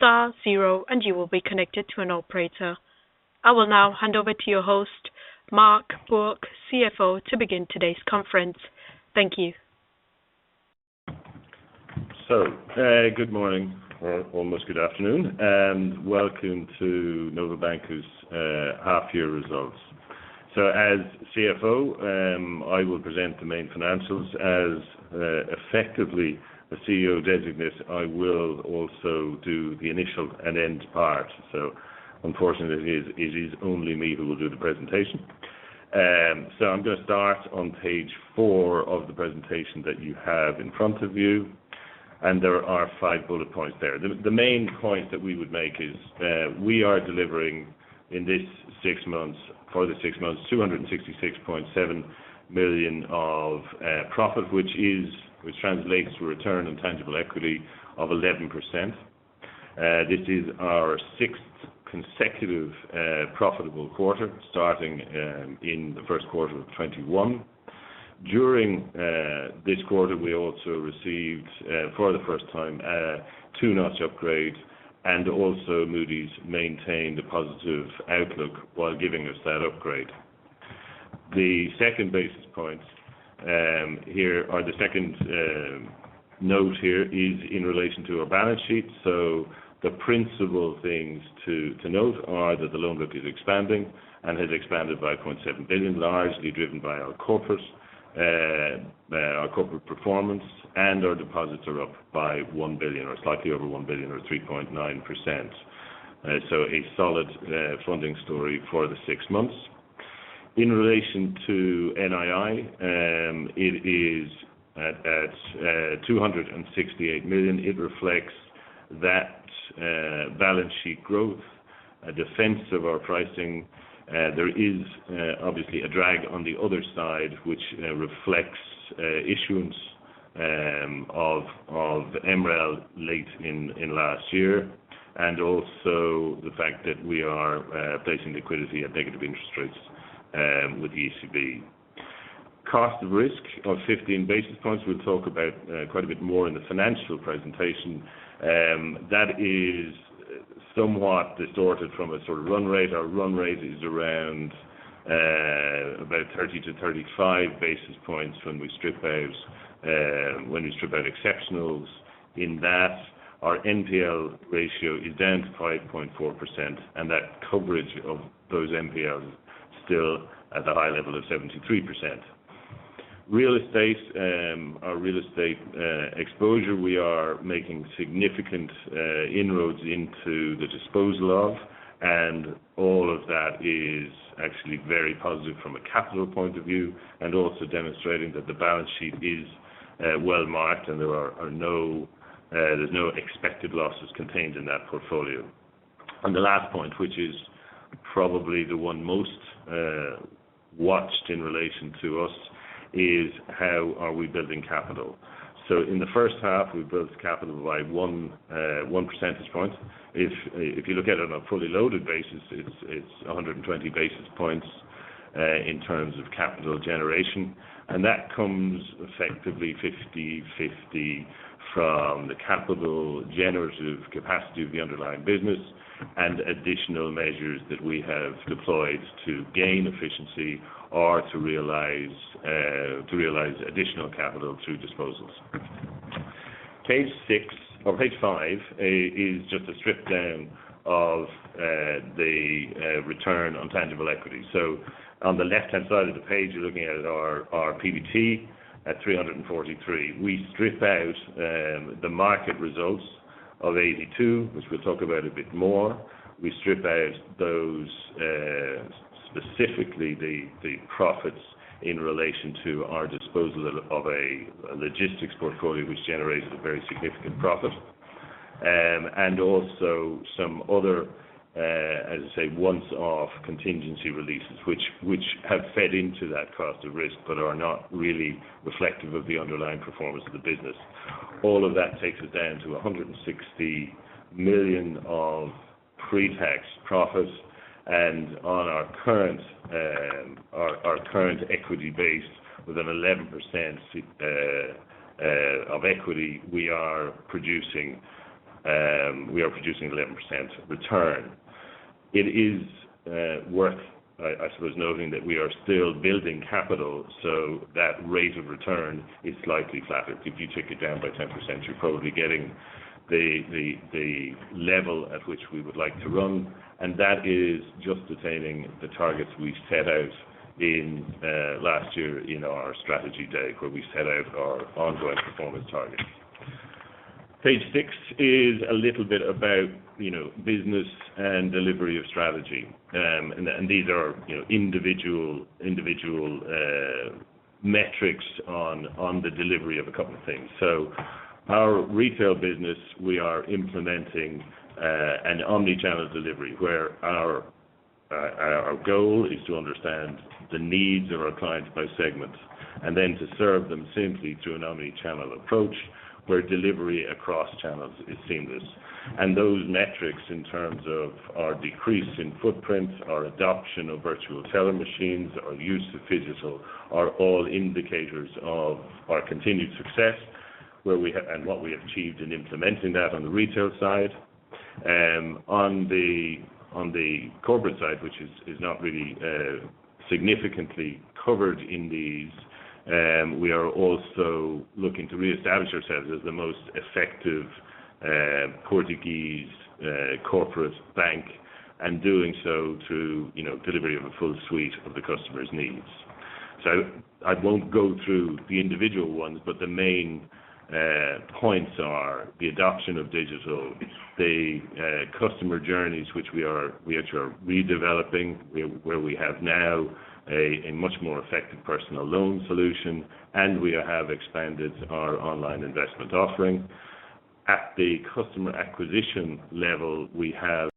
Star zero, and you will be connected to an operator. I will now hand over to your host, Mark Bourke, CFO, to begin today's conference. Thank you. Good morning, or almost good afternoon, and welcome to Novo Banco's half year results. As CFO, I will present the main financials. As effectively the CEO designate, I will also do the initial and end part. Unfortunately, it is only me who will do the presentation. I'm gonna start on page four of the presentation that you have in front of you, and there are five bullet points there. The main point that we would make is, we are delivering in this six months, for the six months, 266.7 million of profit, which translates to return on tangible equity of 11%. This is our sixth consecutive profitable quarter starting in the first quarter of 2021. During this quarter, we also received for the first time a two-notch upgrade, and also Moody's maintained a positive outlook while giving us that upgrade. The second point here or the second note here is in relation to our balance sheet. The principal things to note are that the loan book is expanding and has expanded by 0.7 billion, largely driven by our corporate performance, and our deposits are up by 1 billion or slightly over 1 billion or 3.9%. A solid funding story for the six months. In relation to NII, it is at 268 million. It reflects that balance sheet growth, a defense of our pricing. There is obviously a drag on the other side, which reflects issuance of MREL late in last year, and also the fact that we are placing liquidity at negative interest rates with the ECB. Cost of risk of 15 basis points, we'll talk about quite a bit more in the financial presentation. That is somewhat distorted from a sort of run rate. Our run rate is around about 30-35 basis points when we strip out exceptionals. In that, our NPL ratio is down to 5.4%, and that coverage of those NPLs still at the high level of 73%. Real estate exposure, we are making significant inroads into the disposal of, and all of that is actually very positive from a capital point of view and also demonstrating that the balance sheet is well marked and there are no expected losses contained in that portfolio. The last point, which is probably the one most watched in relation to us, is how are we building capital? In the first half, we built capital by 1 percentage point. If you look at it on a fully loaded basis, it's 120 basis points in terms of capital generation. That comes effectively 50/50 from the capital generative capacity of the underlying business and additional measures that we have deployed to gain efficiency or to realize additional capital through disposals. Page six or page five is just a strip down of the return on tangible equity. On the left-hand side of the page, you are looking at our PBT at 343. We strip out the market results of 82, which we will talk about a bit more. We strip out those specifically the profits in relation to our disposal of a logistics portfolio, which generated a very significant profit. And also some other, as I say, once-off contingency releases, which have fed into that cost of risk but are not really reflective of the underlying performance of the business. All of that takes it down to 160 million of pre-tax profit. On our current equity base with an 11% of equity, we are producing 11% return. It is worth, I suppose noting that we are still building capital, so that rate of return is slightly flattered. If you took it down by 10%, you're probably getting the level at which we would like to run, and that is just attaining the targets we set out in last year in our strategy day, where we set out our ongoing performance targets. Page six is a little bit about, you know, business and delivery of strategy. These are, you know, individual metrics on the delivery of a couple of things. Our retail business, we are implementing an omnichannel delivery where our goal is to understand the needs of our clients by segment and then to serve them simply through an omnichannel approach where delivery across channels is seamless. Those metrics in terms of our decrease in footprint, our adoption of virtual teller machines, our use of digital are all indicators of our continued success, where we have and what we achieved in implementing that on the retail side. On the corporate side, which is not really significantly covered in these, we are also looking to reestablish ourselves as the most effective Portuguese corporate bank, and doing so to delivery of a full suite of the customer's needs. I won't go through the individual ones, but the main points are the adoption of digital, the customer journeys, which we are redeveloping where we have now a much more effective personal loan solution, and we have expanded our online investment offering. At the customer acquisition level, we have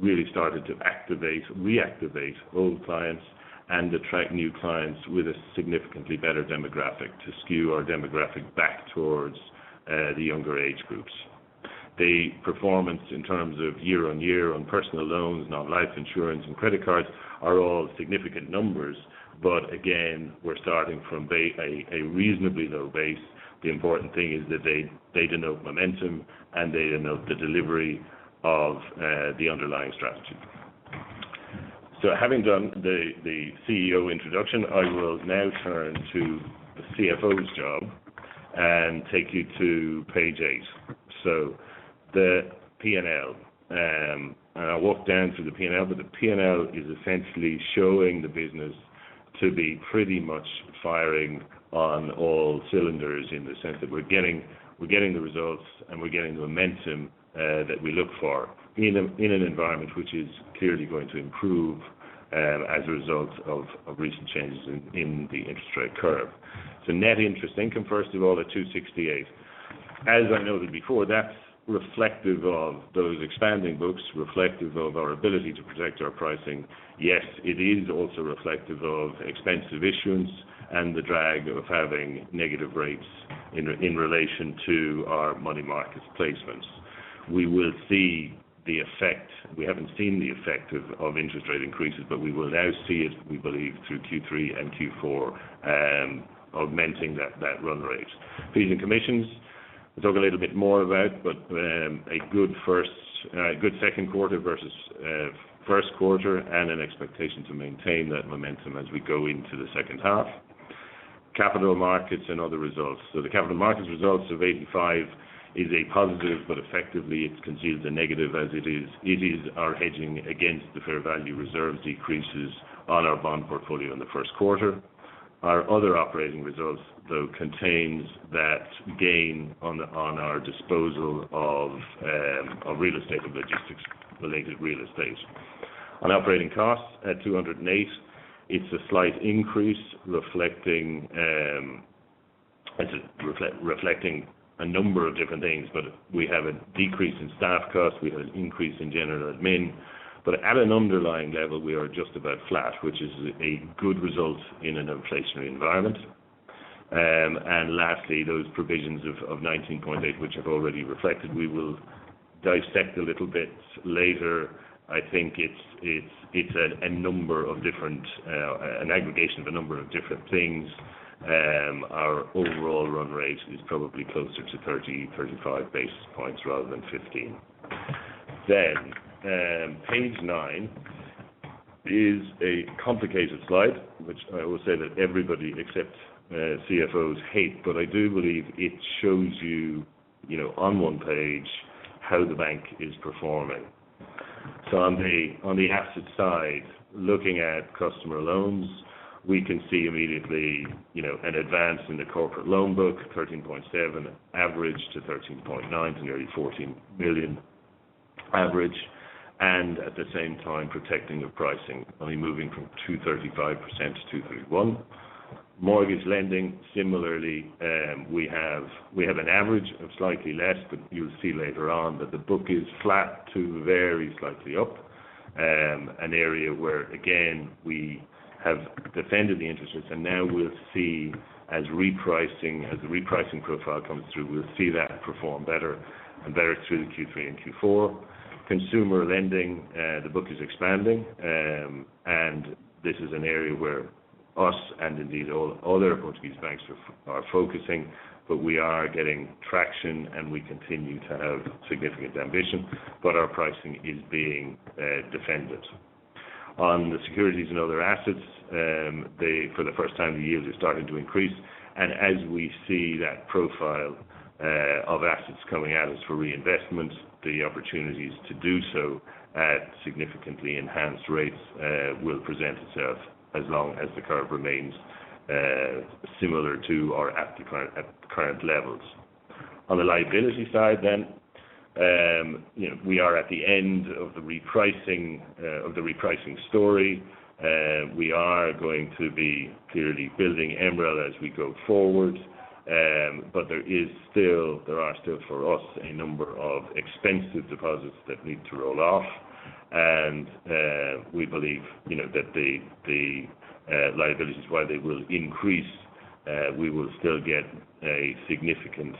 really started to activate, reactivate old clients and attract new clients with a significantly better demographic to skew our demographic back towards the younger age groups. The performance in terms of year-on-year on personal loans, non-life insurance and credit cards are all significant numbers, but again, we're starting from a reasonably low base. The important thing is that they denote momentum, and they denote the delivery of the underlying strategy. Having done the CEO introduction, I will now turn to the CFO's job and take you to page eight, so the P&L. I'll walk down through the P&L, but the P&L is essentially showing the business to be pretty much firing on all cylinders in the sense that we're getting the results, and we're getting the momentum that we look for in an environment which is clearly going to improve as a result of recent changes in the interest rate curve. Net interest income, first of all, at 268. As I noted before, that's reflective of those expanding books, reflective of our ability to protect our pricing. Yes, it is also reflective of expensive issuance and the drag of having negative rates in relation to our money markets placements. We will see the effect. We haven't seen the effect of interest rate increases, but we will now see it, we believe, through Q3 and Q4, augmenting that run rate. Fees and commissions, we'll talk a little bit more about, but a good second quarter versus first quarter, and an expectation to maintain that momentum as we go into the second half. Capital markets and other results. The capital markets results of 85 is a positive, but effectively it conceals a negative as it is. It is our hedging against the fair value reserve decreases on our bond portfolio in the first quarter. Our other operating results, though, contains that gain on our disposal of real estate and logistics related real estate. On operating costs at 208, it's a slight increase reflecting a number of different things, but we have a decrease in staff costs. We have an increase in general admin. At an underlying level we are just about flat, which is a good result in an inflationary environment. Lastly, those provisions of 19.8, which have already reflected, we will dissect a little bit later. I think it's a number of different an aggregation of a number of different things. Our overall run rate is probably closer to 30-35 basis points rather than 15. Page nine is a complicated slide, which I will say that everybody except CFOs hate. I do believe it shows you know, on one page how the bank is performing. On the asset side, looking at customer loans, we can see immediately, you know, an advance in the corporate loan book, 13.7 million average to 13.9 million to nearly 14 million average, and at the same time protecting the pricing only moving from 2.35% to 2.31%. Mortgage lending, similarly, we have an average of slightly less, but you'll see later on that the book is flat to very slightly up. An area where again, we have defended the interest rates and now we'll see as repricing, as the repricing profile comes through, we'll see that perform better and better through the Q3 and Q4. Consumer lending, the book is expanding. This is an area where we and indeed all other Portuguese banks are focusing, but we are getting traction, and we continue to have significant ambition, but our pricing is being defended. On the securities and other assets, they, for the first time in years are starting to increase, and as we see that profile of assets coming out for reinvestment, the opportunities to do so at significantly enhanced rates will present itself as long as the curve remains similar to or at current levels. On the liability side, you know, we are at the end of the repricing of the repricing story. We are going to be clearly building MREL as we go forward. There are still for us a number of expensive deposits that need to roll off. We believe, you know, that the liabilities, while they will increase, we will still get a significant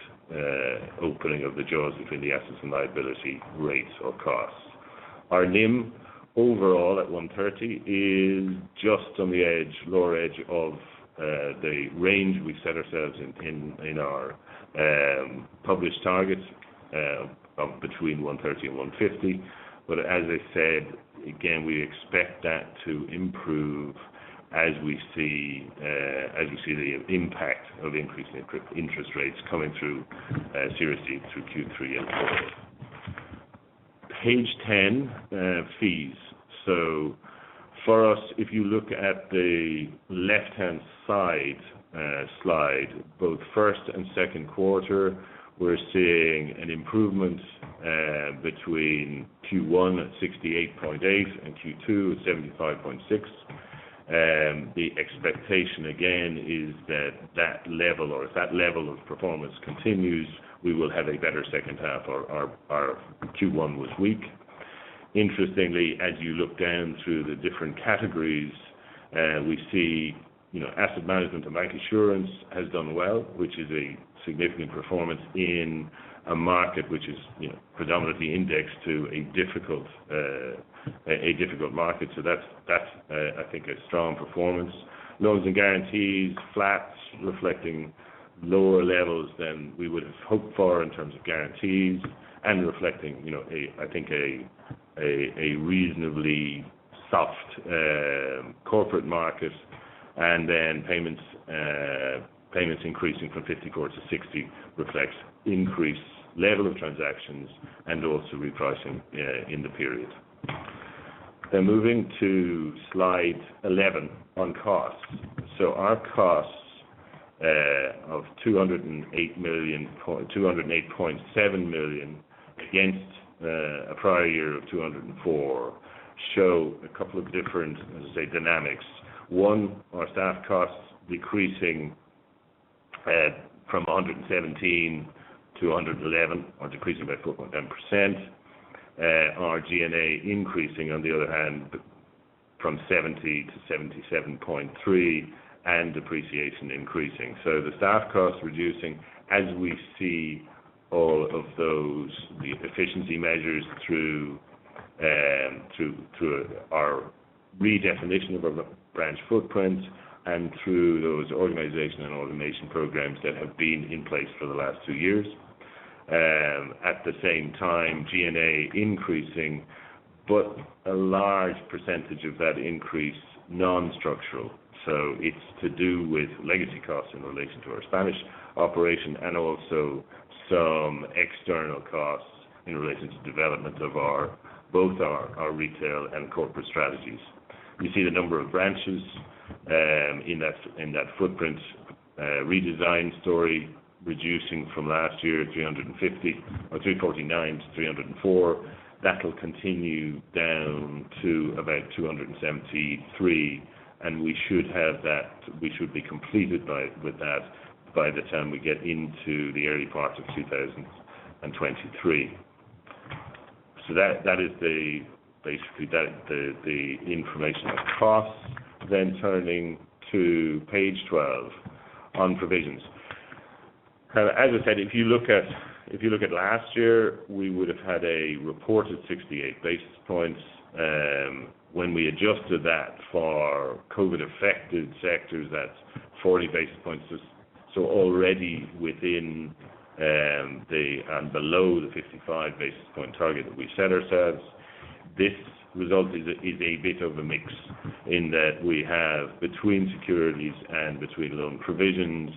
opening of the jaws between the assets and liability rates or costs. Our NIM overall at 1.30% is just on the lower edge of the range we set ourselves in our published targets of between 1.30% and 1.50%. We expect that to improve as we see the impact of increasing interest rates coming through seriously through Q3 and Q4. Page 10, fees. For us, if you look at the left-hand side, slide, both first and second quarter, we're seeing an improvement between Q1 at 68.8% and Q2 at 75.6%. The expectation again is that that level or if that level of performance continues, we will have a better second half. Our Q1 was weak. Interestingly, as you look down through the different categories, we see, you know, asset management and bank insurance has done well, which is a significant performance in a market which is, you know, predominantly indexed to a difficult, a reasonably soft corporate market. Payments increasing from 54 million to 60 million reflects increased level of transactions and also repricing in the period. Moving to slide 11 on costs. Our costs of 208.7 million against a prior year of 204 million show a couple of different, let's say, dynamics. One, our staff costs decreasing from 117 million to 111 million, or decreasing by 4.10%. Our G&A increasing on the other hand from 70 million to 77.3 million, and depreciation increasing. The staff costs reducing as we see all of those, the efficiency measures through our redefinition of our branch footprint and through those organizational and automation programs that have been in place for the last two years. At the same time, G&A increasing, but a large percentage of that increase non-structural. It's to do with legacy costs in relation to our Spanish operation and also some external costs in relation to development of both our retail and corporate strategies. You see the number of branches in that footprint redesign story reducing from last year at 350 or 349 to 304. That'll continue down to about 273, and we should be completed with that by the time we get into the early part of 2023. That is basically the information of costs. Turning to page 12 on provisions. Kind of as I said, if you look at last year, we would have had a reported 68 basis points. When we adjusted that for COVID affected sectors, that's 40 basis points. Already within the band below the 55 basis point target that we set ourselves. This result is a bit of a mix in that we have between securities and loan provisions.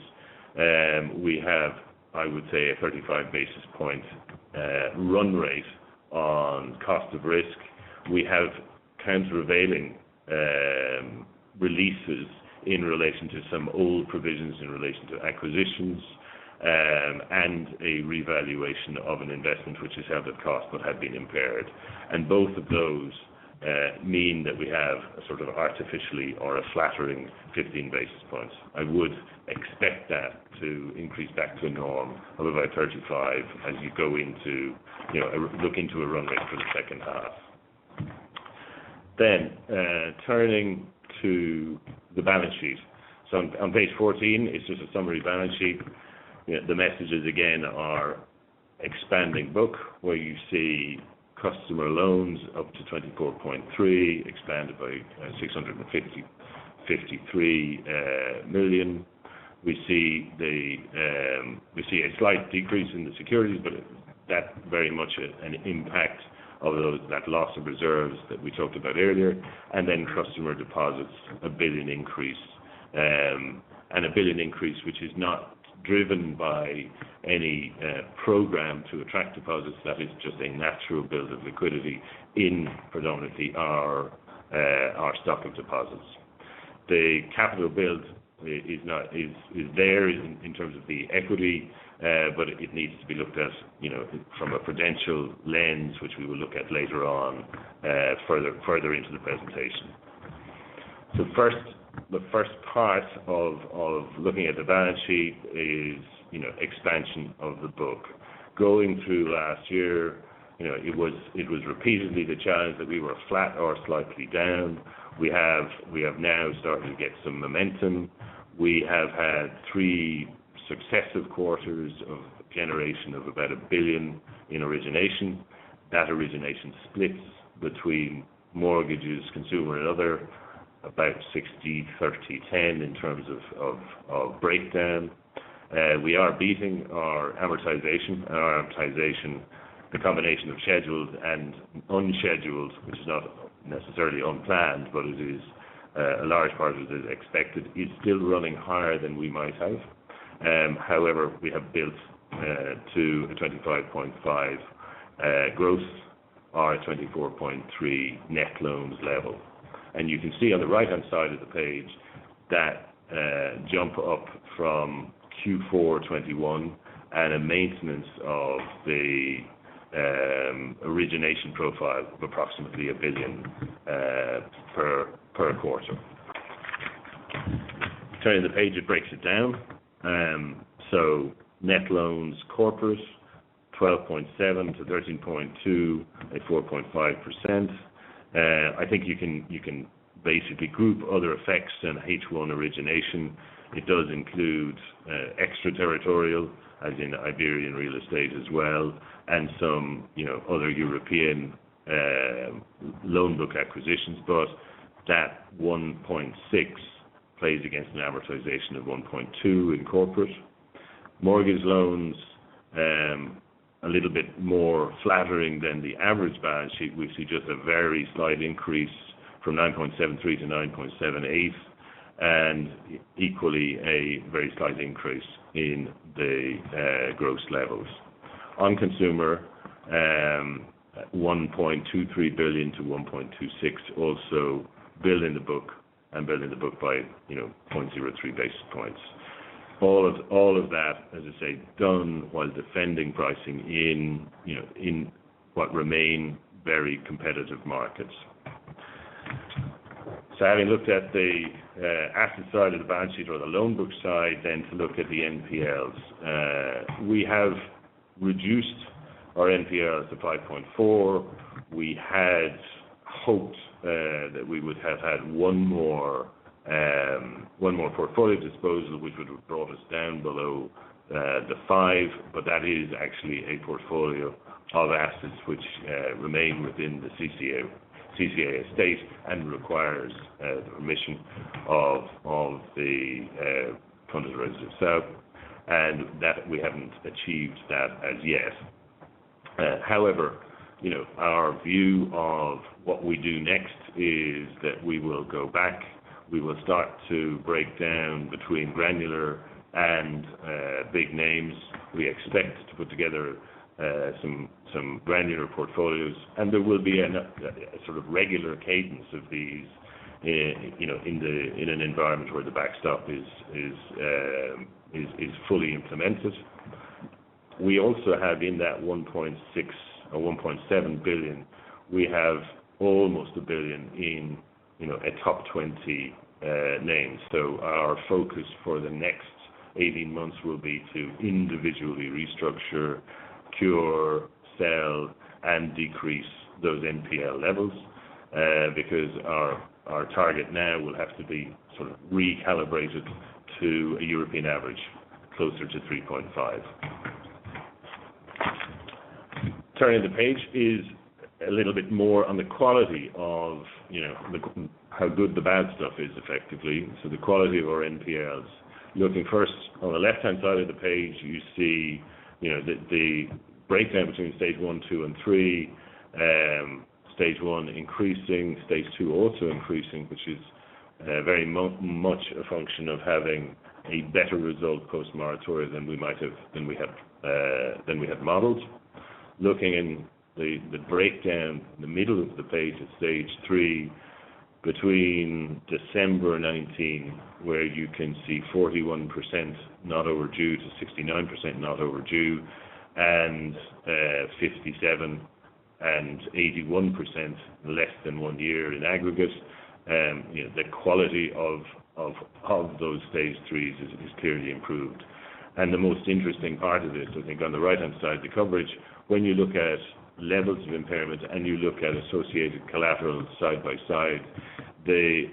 We have, I would say, a 35 basis point run rate on cost of risk. We have countervailing releases in relation to some old provisions in relation to acquisitions and a revaluation of an investment which is held at cost but had been impaired. Both of those mean that we have a sort of artificially or a flattering 15 basis points. I would expect that to increase back to norm of about 35% as you go into, you know, look into a run rate for the second half. Turning to the balance sheet. So on page 14 is just a summary balance sheet. You know, the messages again are expanding book, where you see customer loans up to 24.3, expanded by 653 million. We see a slight decrease in the securities, but that very much an impact of that loss of reserves that we talked about earlier. Customer deposits, a 1 billion increase, which is not driven by any program to attract deposits. That is just a natural build of liquidity in predominantly our stock of deposits. The capital build is there in terms of the equity, but it needs to be looked at, you know, from a prudential lens, which we will look at later on, further into the presentation. The first part of looking at the balance sheet is, you know, expansion of the book. Going through last year, you know, it was repeatedly the challenge that we were flat or slightly down. We have now started to get some momentum. We have had three successive quarters of generation of about 1 billion in origination. That origination splits between mortgages, consumer and other, about 60%-30%-10% in terms of breakdown. We are beating our amortization, and our amortization, the combination of scheduled and unscheduled, which is not necessarily unplanned, but it is a large part of it is expected, is still running higher than we might have. However, we have built to a 25.5 gross, or a 24.3 net loans level. You can see on the right hand side of the page that jump up from Q4 2021 and a maintenance of the origination profile of approximately 1 billion per quarter. Turning the page, it breaks it down. Net loans corporate 12.7-13.2 at 4.5%. I think you can basically group other effects than H1 origination. It does include extraterritorial, as in Iberian real estate as well, and some, you know, other European loan book acquisitions. That 1.6 plays against an amortization of 1.2 in corporate mortgage loans, a little bit more flattering than the average balance sheet. We see just a very slight increase from 9.73% to 9.78%, and equally a very slight increase in the gross levels. On consumer, EUR 1.23 billion-EUR 1.26 billion, also building the book by, you know, 0.03 basis points. All of that, as I say, done while defending pricing in, you know, in what remain very competitive markets. Having looked at the asset side of the balance sheet or the loan book side, to look at the NPLs. We have reduced our NPLs to 5.4%. We had hoped that we would have had one more portfolio disposal, which would have brought us down below 5%. But that is actually a portfolio of assets which remain within the CCA estate and requires the permission of the counterparties. And that we haven't achieved that as yet. However, you know, our view of what we do next is that we will go back, we will start to break down between granular and big names. We expect to put together some granular portfolios, and there will be a sort of regular cadence of these in, you know, in an environment where the backstop is fully implemented. We also have in that 1.6 billion or 1.7 billion, we have almost 1 billion in, you know, a top 20 names. Our focus for the next 18 months will be to individually restructure, cure, sell, and decrease those NPL levels because our target now will have to be sort of recalibrated to a European average closer to 3.5%. Turning the page is a little bit more on the quality of, you know, the how good the bad stuff is effectively. The quality of our NPLs. Looking first on the left hand side of the page, you see, you know, the breakdown between stage one, two, and three. Stage one increasing, stage two also increasing, which is very much a function of having a better result post-moratorium than we had modeled. Looking in the breakdown in the middle of the page at stage three, between December 2019, where you can see 41% not overdue to 69% not overdue, and 57 and 81% less than one year in aggregate. You know, the quality of those stage threes is clearly improved. The most interesting part of this, I think on the right hand side, the coverage, when you look at levels of impairment and you look at associated collateral side by side, the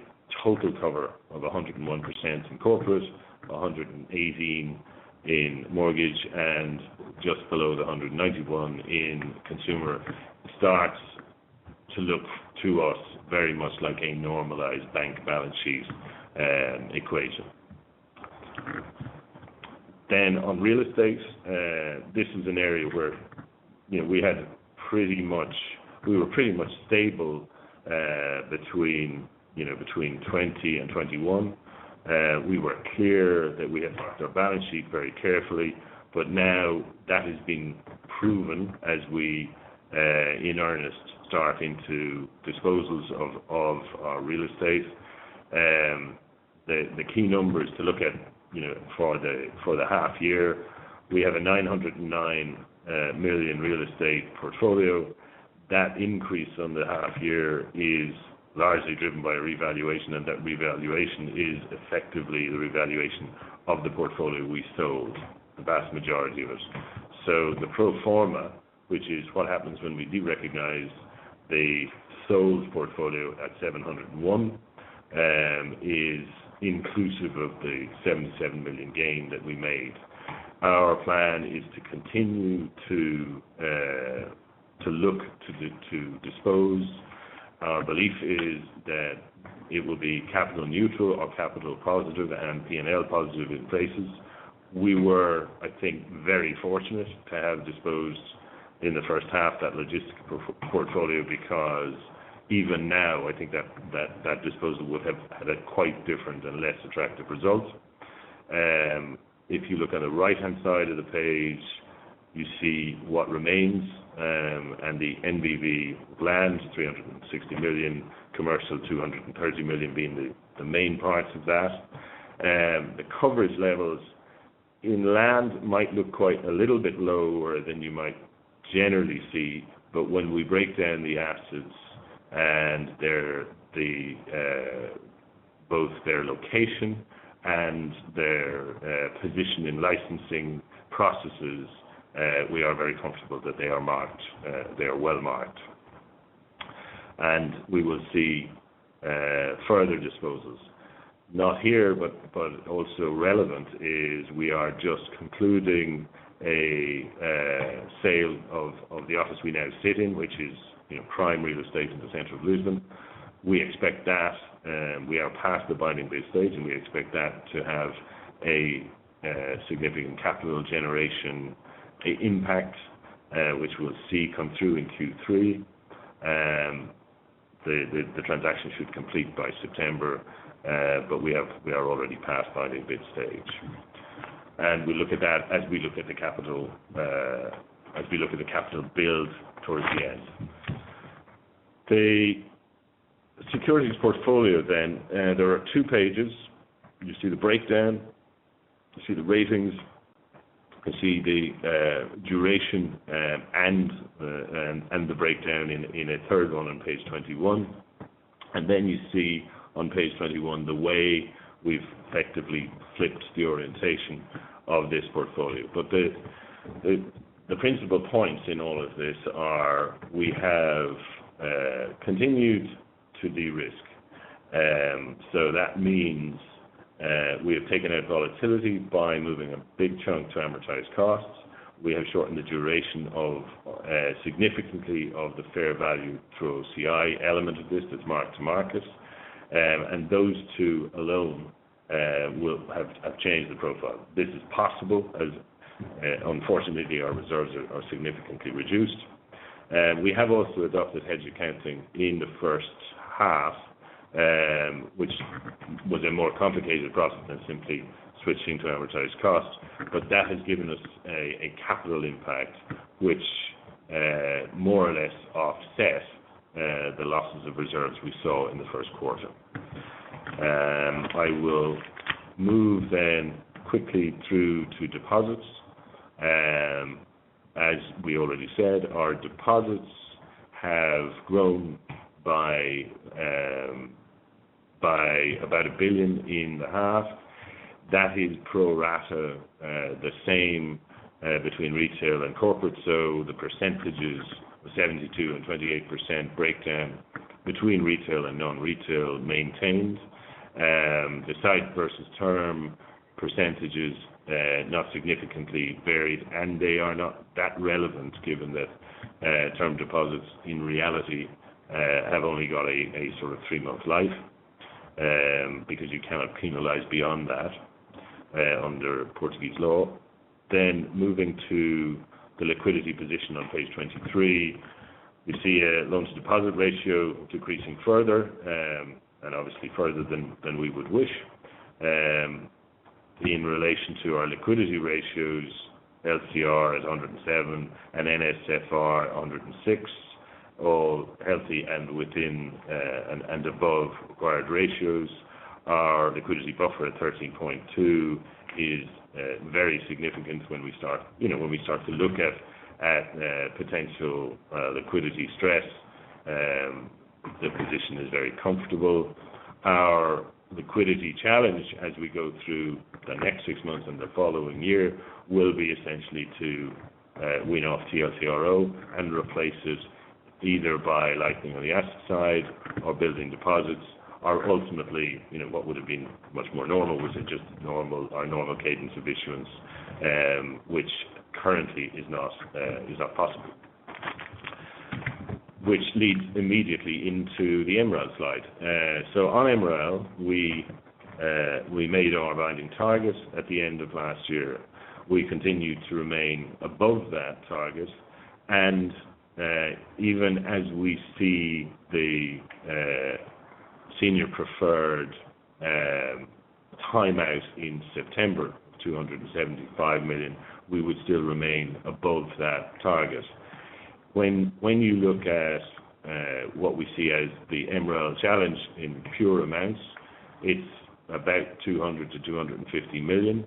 total cover of 101% in corporate, 118% in mortgage, and just below 191% in consumer starts to look to us very much like a normalized bank balance sheet equation. On real estate, this is an area where, you know, we were pretty much stable between 2020 and 2021. We were clear that we had marked our balance sheet very carefully, but now that is being proven as we in earnest start into disposals of our real estate. The key numbers to look at, you know, for the half year, we have a 909 million real estate portfolio. That increase on the half year is largely driven by a revaluation, and that revaluation is effectively the revaluation of the portfolio we sold, the vast majority of it. The pro forma, which is what happens when we do recognize the sold portfolio at 701 million, is inclusive of the 77 million gain that we made. Our plan is to continue to look to dispose. Our belief is that it will be capital neutral or capital positive and P&L positive in places. We were, I think, very fortunate to have disposed in the first half that logistics property portfolio because even now, I think that disposal would have had a quite different and less attractive result. If you look at the right-hand side of the page, you see what remains. And the NBV land, 360 million commercial, 230 million being the main parts of that. The coverage levels in land might look quite a little bit lower than you might generally see. When we break down the assets and their both their location and their position in licensing processes, we are very comfortable that they are well marked. We will see further disposals. Not here, but also relevant is we are just concluding a sale of the office we now sit in, which is, you know, prime real estate in the center of Lisbon. We expect that we are past the binding bid stage, and we expect that to have a significant capital generation impact, which we'll see come through in Q3. The transaction should complete by September, but we are already past binding bid stage. We look at that as we look at the capital build towards the end. The securities portfolio then, there are two pages. You see the breakdown, you see the ratings, you see the duration, and the breakdown in a third one on page 21. You see on page 21 the way we've effectively flipped the orientation of this portfolio. The principal points in all of this are we have continued to de-risk. That means we have taken out volatility by moving a big chunk to amortized cost. We have shortened the duration significantly of the fair value through OCI element of this that's marked to market. Those two alone have changed the profile. This is possible as unfortunately our reserves are significantly reduced. We have also adopted hedge accounting in the first half, which was a more complicated process than simply switching to amortized cost. That has given us a capital impact which more or less offset the losses of reserves we saw in the first quarter. I will move then quickly through to deposits. As we already said, our deposits have grown by about 1 billion in the half. That is pro rata the same between retail and corporate. The percentages, 72% and 28% breakdown between retail and non-retail maintained. The sight versus term percentages not significantly varied, and they are not that relevant given that term deposits in reality have only got a sort of three-month life because you cannot penalize beyond that under Portuguese law. Moving to the liquidity position on page 23, you see a loans to deposit ratio decreasing further, and obviously further than we would wish. In relation to our liquidity ratios, LCR is 107 and NSFR 106, all healthy and within and above required ratios. Our liquidity buffer at 13.2 is very significant when we start to look at potential liquidity stress. The position is very comfortable. Our liquidity challenge as we go through the next six months and the following year will be essentially to wean off TLTRO and replace it either by lending on the asset side or building deposits, or ultimately, you know, what would have been much more normal if it was just normal, our normal cadence of issuance, which currently is not possible. Which leads immediately into the MREL slide. On MREL, we made our binding targets at the end of last year. We continued to remain above that target. Even as we see the senior preferred time out in September, 275 million, we would still remain above that target. When you look at what we see as the MREL challenge in pure amounts, it's about 200-250 million.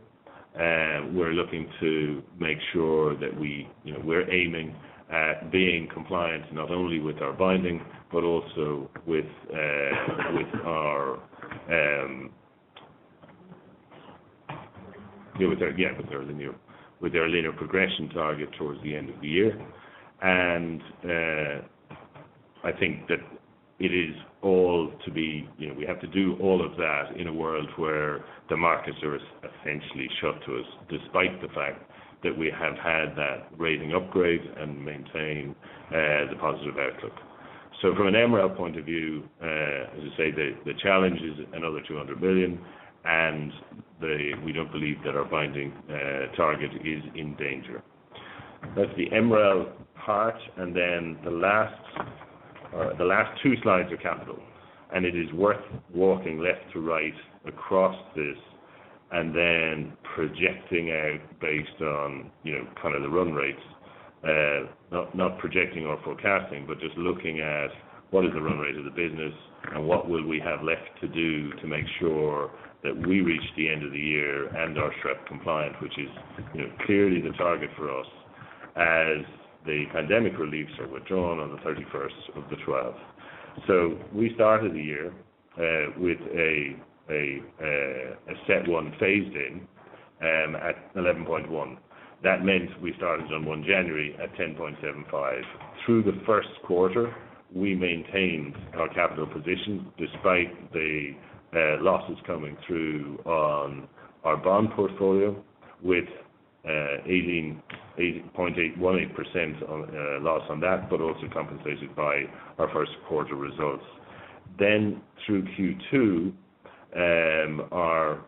We're looking to make sure that we, you know, we're aiming at being compliant not only with our binding, but also with their linear progression target towards the end of the year. I think that it is all to be, you know, we have to do all of that in a world where the markets are essentially shut to us, despite the fact that we have had that rating upgrade and maintain the positive outlook. From an MREL point of view, as I say, the challenge is another 200 billion, and we don't believe that our binding target is in danger. That's the MREL part. Then the last two slides are capital. It is worth walking left to right across this and then projecting out based on, you know, kind of the run rates. Not projecting or forecasting, but just looking at what is the run rate of the business and what will we have left to do to make sure that we reach the end of the year and are SREP compliant, which is, you know, clearly the target for us as the pandemic reliefs are withdrawn on the thirty-first of the twelfth. We started the year with a Stage 1 phased in at 11.1. That meant we started on 1 January at 10.75. Through the first quarter, we maintained our capital position despite the losses coming through on our bond portfolio with 8.818% loss on that, but also compensated by our first quarter results. Through Q2, our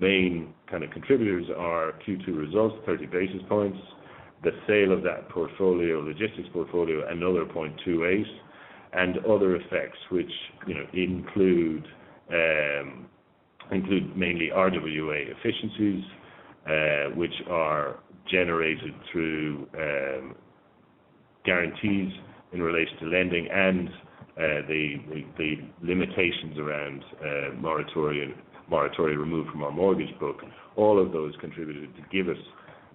main kind of contributors are Q2 results, 30 basis points. The sale of that portfolio, logistics portfolio, another 0.28, and other effects which, you know, include mainly RWA efficiencies, which are generated through guarantees in relation to lending and the limitations around moratorium removed from our mortgage book. All of those contributed to give us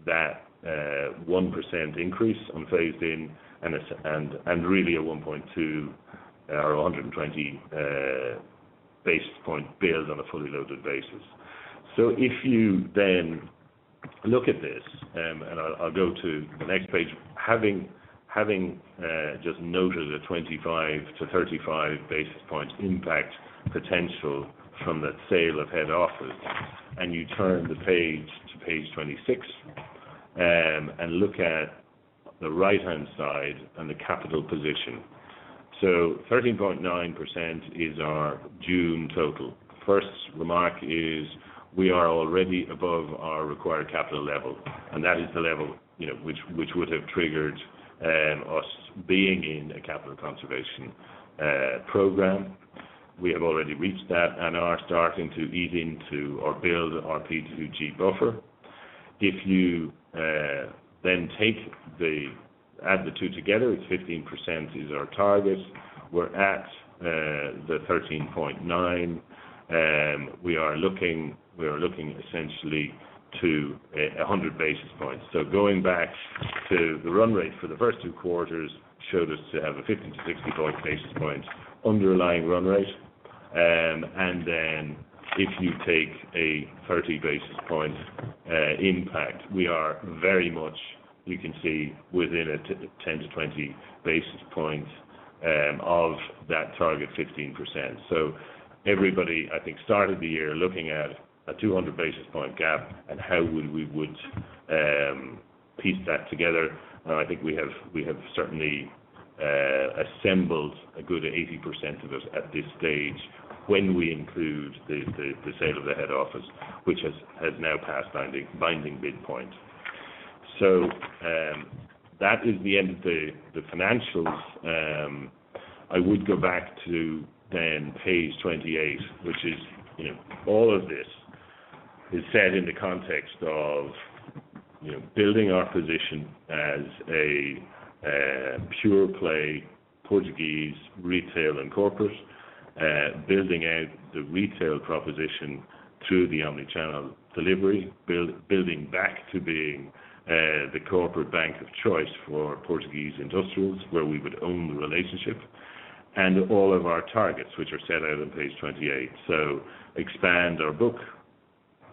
that 1% increase on phased-in and really a 1.2 or 120 basis point build on a fully loaded basis. If you then look at this and I'll go to the next page. Having just noted a 25-35 basis point impact potential from that sale of head office, and you turn the page to page 26 and look at the right-hand side and the capital position. 13.9% is our June total. First remark is we are already above our required capital level, and that is the level, you know, which would have triggered us being in a capital conservation program. We have already reached that and are starting to ease into or build our P2G buffer. If you add the two together, it's 15% is our target. We're at 13.9%. We are looking essentially to a 100 basis points. Going back to the run rate for the first two quarters showed us to have a 15- to 16-point basis point underlying run rate. And then if you take a 30 basis point impact, we are very much, you can see within a 10-20 basis points of that target 15%. Everybody, I think, started the year looking at a 200 basis point gap and how would we piece that together. I think we have certainly assembled a good 80% of it at this stage when we include the sale of the head office, which has now passed binding bid point. That is the end of the financials. I would go back to then page 28, which is, you know, all of this is set in the context of, you know, building our position as a pure play Portuguese retail and corporate. Building out the retail proposition through the omnichannel delivery. Building back to being the corporate bank of choice for Portuguese industrials, where we would own the relationship and all of our targets which are set out on page 28. Expand our book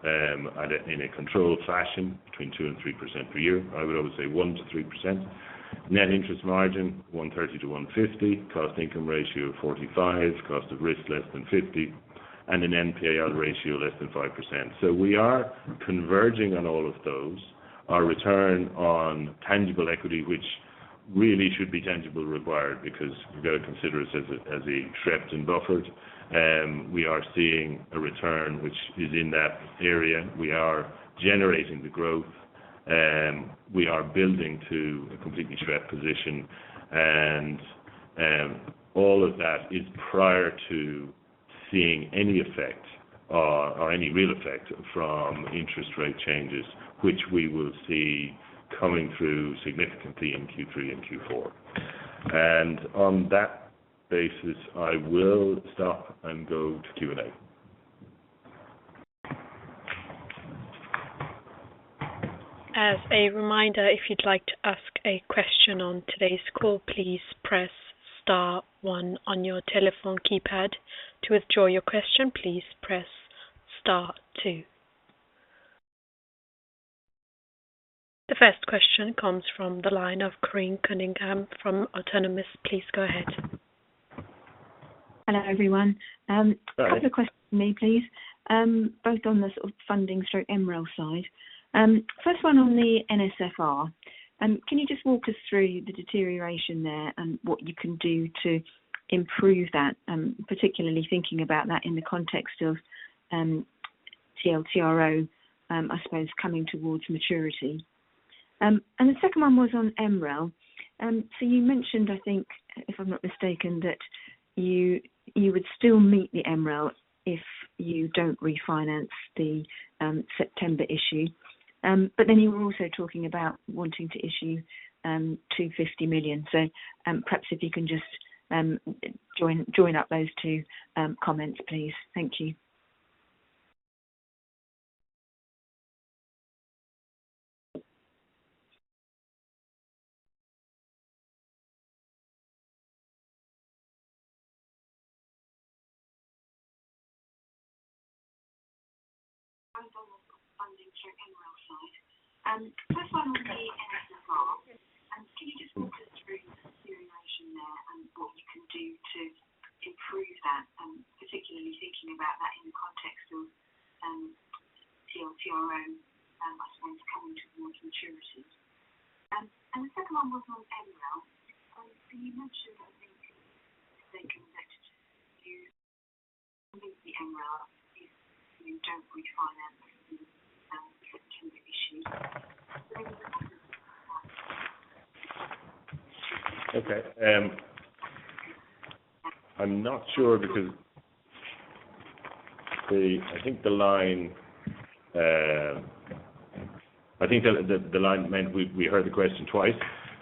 in a controlled fashion between 2%-3% per year. I would always say 1%-3%. Net interest margin, 1.30%-1.50%. Cost income ratio, 45%. Cost of risk, less than 50. An NPL ratio, less than 5%. We are converging on all of those. Our return on tangible equity, which really should be tangible required because we've got to consider it as a SREP and buffered. We are seeing a return which is in that area. We are generating the growth. We are building to a completely SREP position. All of that is prior to seeing any effect or any real effect from interest rate changes, which we will see coming through significantly in Q3 and Q4. On that basis, I will stop and go to Q&A. As a reminder, if you'd like to ask a question on today's call, please press star one on your telephone keypad. To withdraw your question, please press star two. The first question comes from the line of Corinne Cunningham from Autonomous. Please go ahead. Hello, everyone. Hello. Couple of questions from me please, both on the sort of funding through MREL side. First one on the NSFR. Can you just walk us through the deterioration there and what you can do to improve that? Particularly thinking about that in the context of TLTRO, I suppose coming towards maturity. The second one was on MREL. You mentioned, I think, if I'm not mistaken, that you would still meet the MREL if you don't refinance the September issue. But then you were also talking about wanting to issue 250 million. Perhaps if you can just join up those two comments, please. Thank you. Particularly thinking about that in the context of TLTRO, I suppose coming towards maturity. The second one was on MREL. You mentioned, I think, if I'm not mistaken, that you would still meet the MREL if you don't refinance the September issue. Okay. I think the line meant we heard the question twice,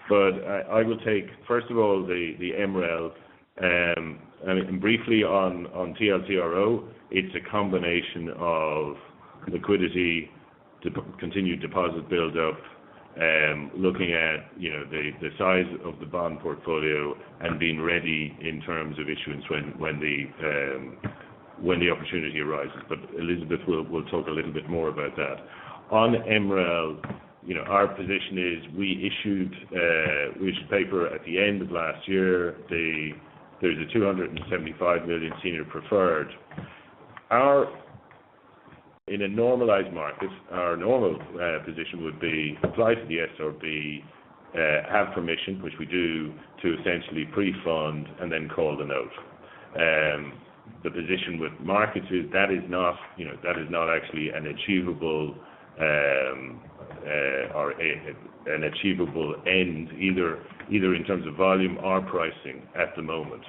but I will take first of all the MREL, and then briefly on TLTRO. It's a combination of liquidity, continued deposit buildup, looking at, you know, the size of the bond portfolio and being ready in terms of issuance when the opportunity arises. Elisabeth will talk a little bit more about that. On MREL, you know, our position is we issued paper at the end of last year. There's 275 million senior preferred. In a normalized market our normal position would be apply to the SRB, have permission, which we do, to essentially pre-fund and then call the note. The position with markets is, that is not actually an achievable end either in terms of volume or pricing at the moment.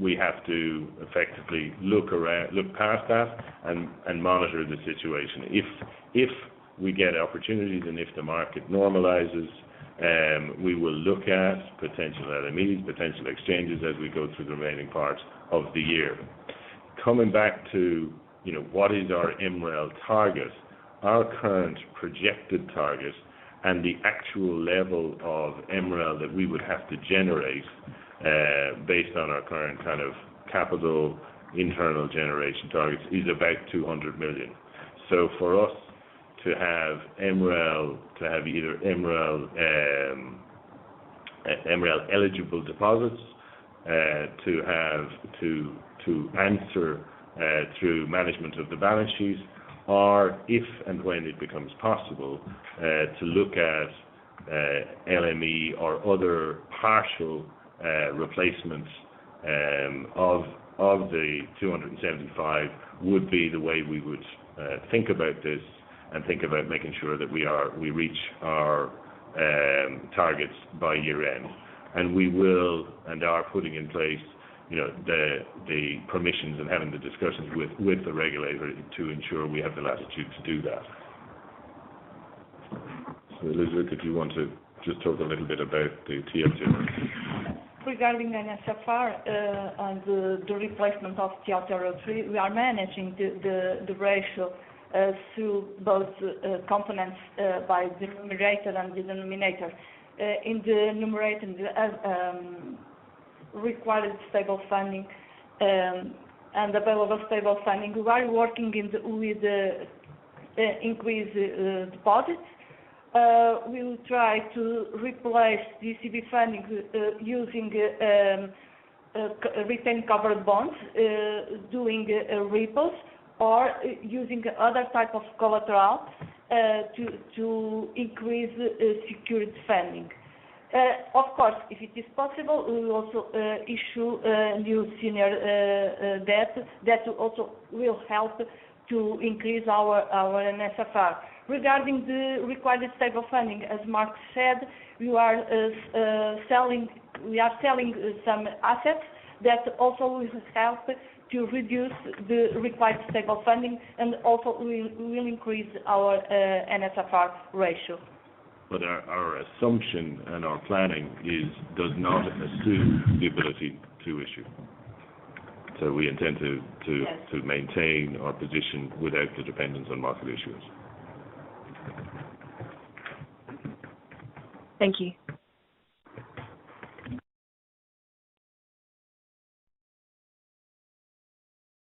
We have to effectively look around, look past that and monitor the situation. If we get opportunities and if the market normalizes, we will look at potential LMEs, potential exchanges as we go through the remaining parts of the year. Coming back to, you know, what is our MREL target? Our current projected target and the actual level of MREL that we would have to generate, based on our current kind of capital internal generation targets is about 200 million. For us to have MREL, to have either MREL eligible deposits, to answer through management of the balance sheets if and when it becomes possible to look at LME or other partial replacements of 275 would be the way we would think about this and think about making sure that we reach our targets by year end. We will and are putting in place, you know, the permissions and having the discussions with the regulator to ensure we have the latitude to do that. Elisabeth, if you want to just talk a little bit about the TLTRO. Regarding NSFR, on the replacement of TLTRO III, we are managing the ratio through both components by the numerator and the denominator. In the numerator, the required stable funding and available stable funding, we are working with the increasing deposits. We will try to replace ECB funding using retained covered bonds, doing repos or using other type of collateral to increase secured funding. Of course, if it is possible, we will also issue new senior debt. That will also help to increase our NSFR. Regarding the required stable funding, as Mark said, we are selling some assets that also will help to reduce the required stable funding and also will increase our NSFR ratio. Our assumption and our planning does not assume the ability to issue. We intend to Yes. To maintain our position without the dependence on market issues. Thank you.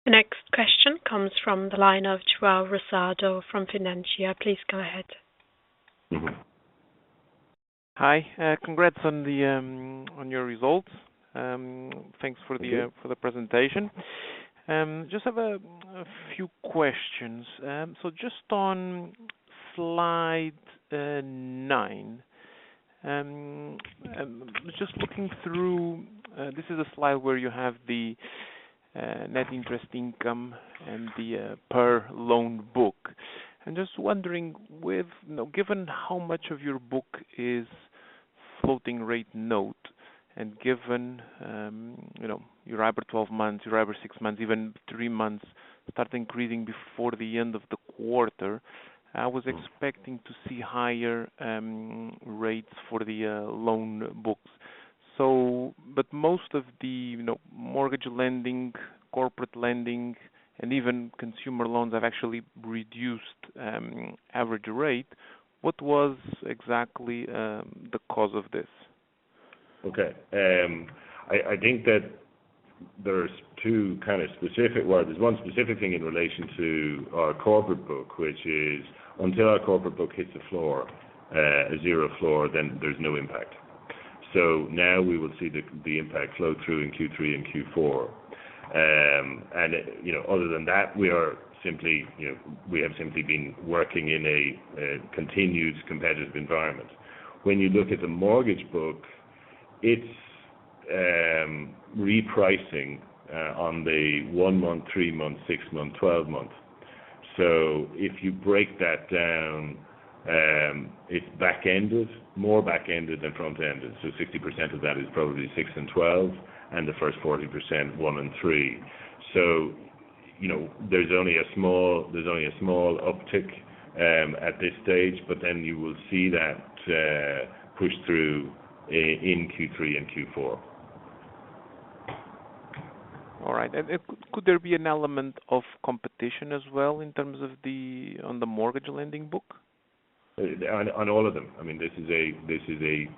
The next question comes from the line of Duarte Rosado from Fincere. Please go ahead. Mm-hmm. Hi. Congrats on your results. Thanks for the- Thank you. For the presentation. Just have a few questions. Just on slide nine. Just looking through, this is a slide where you have the net interest income and the per loan book. I'm just wondering with, you know, given how much of your book is floating rate note and given, you know, your Euribor twelve months, your Euribor six months, even three months start increasing before the end of the quarter. Mm. I was expecting to see higher rates for the loan books. Most of the, you know, mortgage lending, corporate lending, and even consumer loans have actually reduced average rate. What was exactly the cause of this? Okay. I think that there's one specific thing in relation to our corporate book, which is until our corporate book hits a floor, a zero floor, then there's no impact. Now we will see the impact flow through in Q3 and Q4. You know, other than that, we have simply been working in a continued competitive environment. When you look at the mortgage book, it's repricing on the one-month, three-month, six-month, 12-month. If you break that down, it's back-ended, more back-ended than front-ended. 60% of that is probably six and 12, and the first 40%, one and three. You know, there's only a small uptick at this stage, but then you will see that push through in Q3 and Q4. All right. Could there be an element of competition as well on the mortgage lending book? On all of them. I mean, this is a very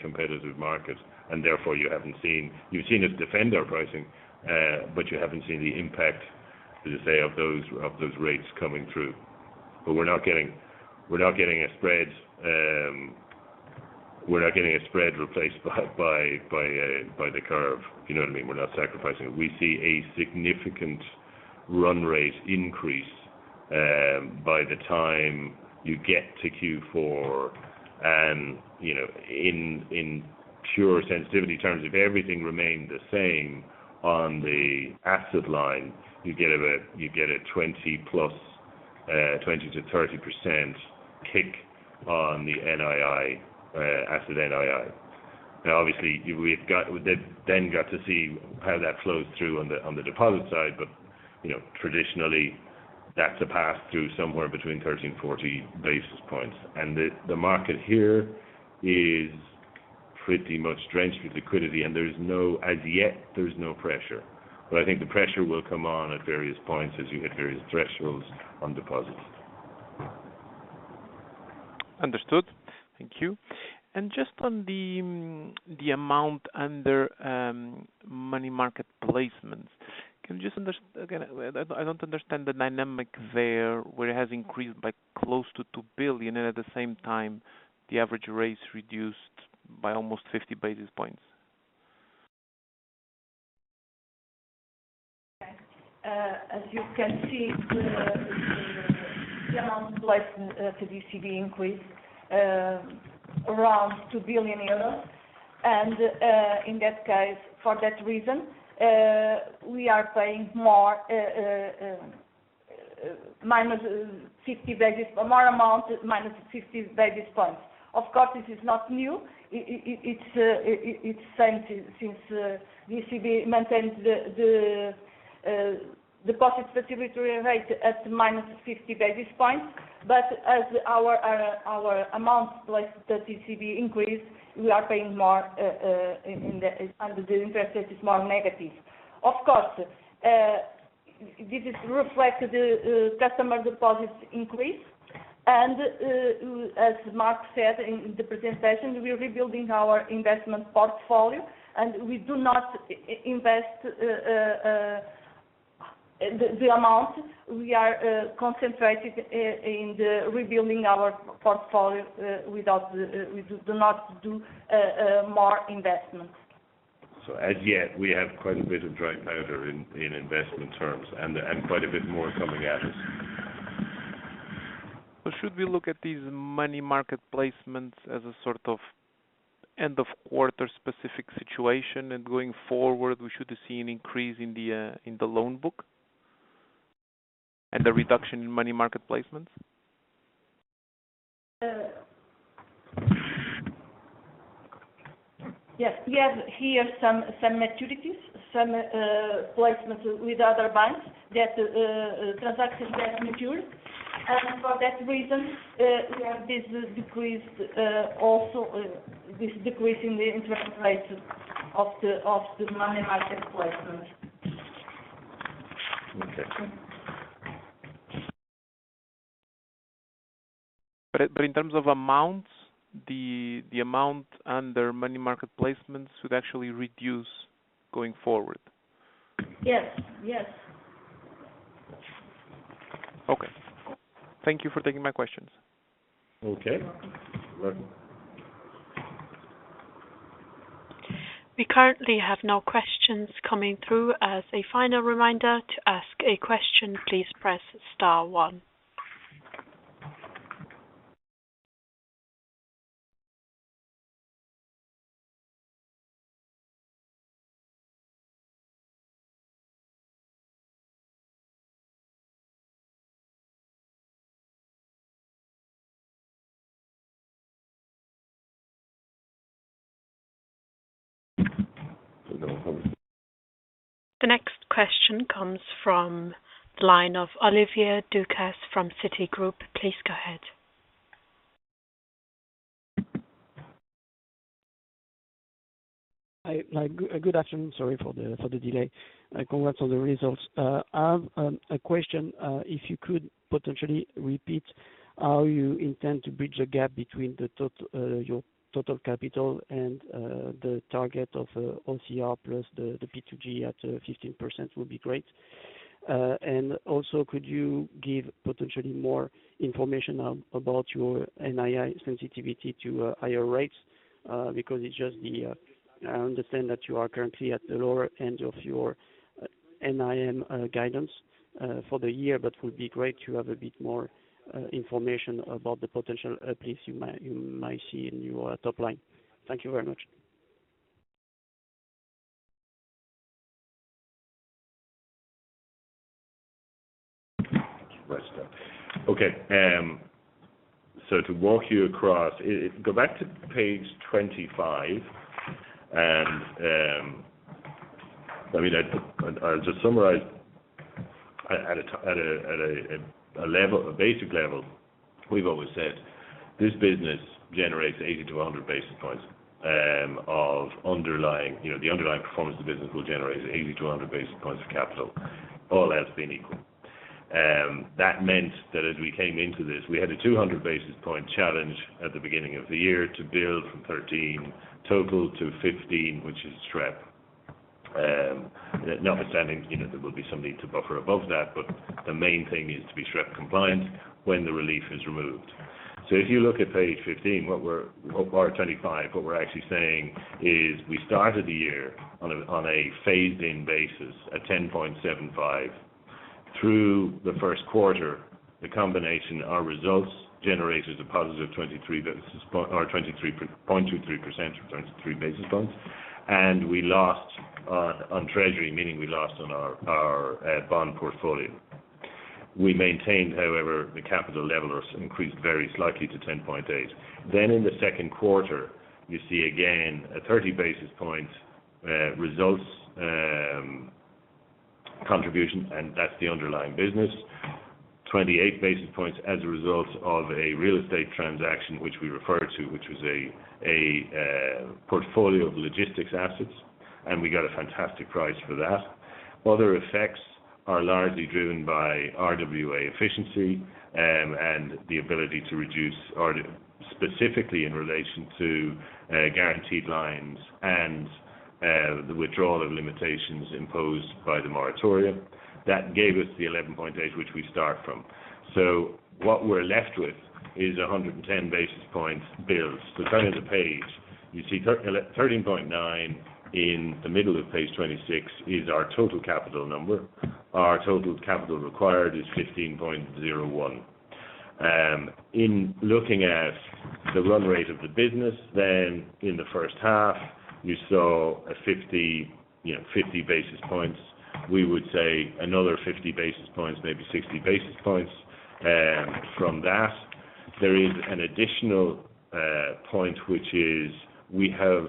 competitive market, and therefore you haven't seen. You've seen us defend our pricing, but you haven't seen the impact, as you say, of those rates coming through. We're not getting a spread. We're not getting a spread replaced by the curve. You know what I mean? We're not sacrificing. We see a significant run rate increase by the time you get to Q4. You know, in pure sensitivity terms, if everything remained the same on the asset line, you get a 20+ to 30% kick on the NII, asset NII. Now, obviously, we've got to see how that flows through on the deposit side. You know, traditionally, that's a pass through somewhere between 13-40 basis points. The market here is pretty much drenched with liquidity, and there is no pressure as yet. I think the pressure will come on at various points as you hit various thresholds on deposits. Understood. Thank you. Just on the amount under money market placements. Can you just. Again, I don't understand the dynamic there, where it has increased by close to 2 billion, and at the same time, the average rate's reduced by almost 50 basis points. Okay. As you can see, the amount placed to ECB increased around 2 billion euros. In that case, for that reason, we are paying more minus 50 basis more amount minus 50 basis points. Of course, this is not new. It's the same since ECB maintains the deposit facility rate at minus 50 basis points. As our amount placed at ECB increase, we are paying more, and the interest rate is more negative. Of course, this reflects the customer deposits increase. As Mark said in the presentation, we're rebuilding our investment portfolio, and we do not invest the amount. We are concentrated in the rebuilding our portfolio. We do not do more investments. As yet, we have quite a bit of dry powder in investment terms and quite a bit more coming at us. Should we look at these money market placements as a sort of end of quarter specific situation, and going forward, we should see an increase in the loan book and a reduction in money market placements? Yes. We have here some maturities, some placements with other banks that transactions that mature. For that reason, we have this decrease in the interest rates of the money market placements. One second. In terms of amounts, the amount under money market placements would actually reduce going forward. Yes. Yes. Okay. Thank you for taking my questions. Okay. You're welcome. We currently have no questions coming through. As a final reminder to ask a question, please press star one. The next question comes from the line of Olivier Ducas from Citigroup. Please go ahead. Hi. Good afternoon. Sorry for the delay. Congrats on the results. I have a question. If you could potentially repeat how you intend to bridge the gap between your total capital and the target of OCR plus the P2G at 15% would be great. Also, could you give potentially more information about your NII sensitivity to higher rates? Because it's just the, I understand that you are currently at the lower end of your NIM guidance for the year, but it would be great to have a bit more information about the potential increase you might see in your top line. Thank you very much. Okay. So to walk you across, go back to page 25. I mean, I'll just summarize at a basic level. We've always said this business generates 80-100 basis points of underlying, you know, the underlying performance of the business will generate 80-100 basis points of capital, all else being equal. That meant that as we came into this, we had a 200 basis point challenge at the beginning of the year to build from 13 total to 15, which is SREP. Notwithstanding, you know, there will be some need to buffer above that, but the main thing is to be SREP compliant when the relief is removed. If you look at page 15 or 25, what we're actually saying is we started the year on a phased in basis at 10.75%. Through the first quarter, our results generated a positive 23 basis points or 0.23% or 23 basis points. We lost on treasury, meaning we lost on our bond portfolio. We maintained, however, the capital level or increased very slightly to 10.8%. In the second quarter, you see again a 30 basis point results contribution, and that's the underlying business. 28 basis points as a result of a real estate transaction, which we referred to, which was a portfolio of logistics assets, and we got a fantastic price for that. Other effects are largely driven by RWA efficiency, and the ability to reduce or specifically in relation to, guaranteed lines and, the withdrawal of limitations imposed by the moratorium. That gave us the 11.8, which we start from. What we're left with is a 110 basis points build. Turning the page, you see 13.9 in the middle of page 26 is our total capital number. Our total capital required is 15.01. In looking at the run rate of the business, then in the first half, you saw a 50, you know, 50 basis points. We would say another 50 basis points, maybe 60 basis points, from that. There is an additional point, which is we have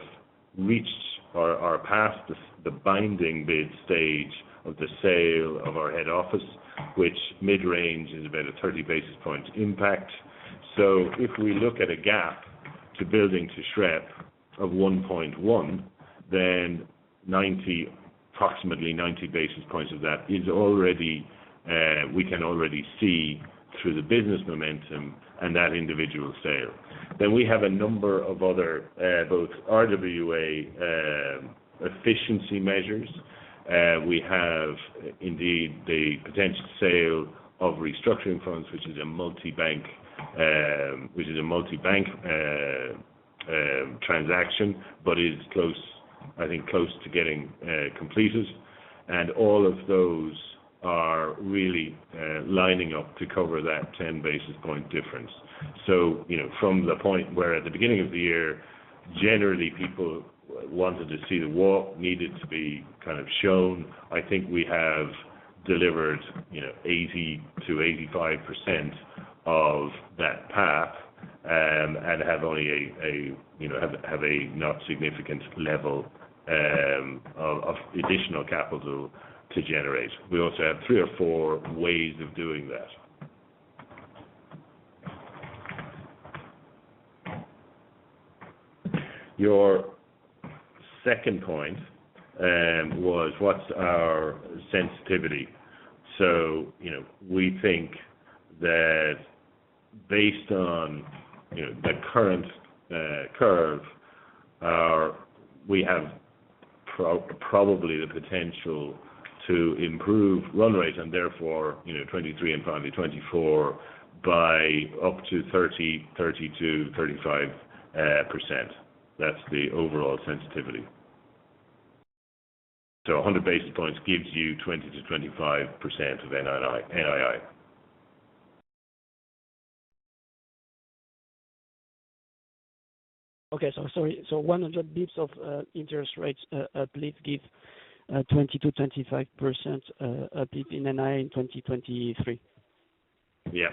reached or are past the binding bid stage of the sale of our head office, which mid-range is about a 30 basis point impact. If we look at a gap to building to SREP of 1.1, then approximately 90 basis points of that is already we can already see through the business momentum and that individual sale. Then we have a number of other both RWA efficiency measures. We have indeed the potential sale of restructuring funds, which is a multi-bank transaction, but is close, I think close to getting completed. All of those are really lining up to cover that 10 basis point difference. You know, from the point where at the beginning of the year, generally people wanted to see the walk needed to be kind of shown. I think we have delivered, you know, 80%-85% of that path and have only, you know, a not significant level of additional capital to generate. We also have three or four ways of doing that. Your second point was what's our sensitivity. You know, we think that based on, you know, the current curve, we have probably the potential to improve run rate and therefore, you know, 2023 and finally 2024 by up to 30, 32, 35%. That's the overall sensitivity. 100 basis points gives you 20%-25% of NII. 100 basis points of interest rates at least give 20%-25% up in NII in 2023. Yeah.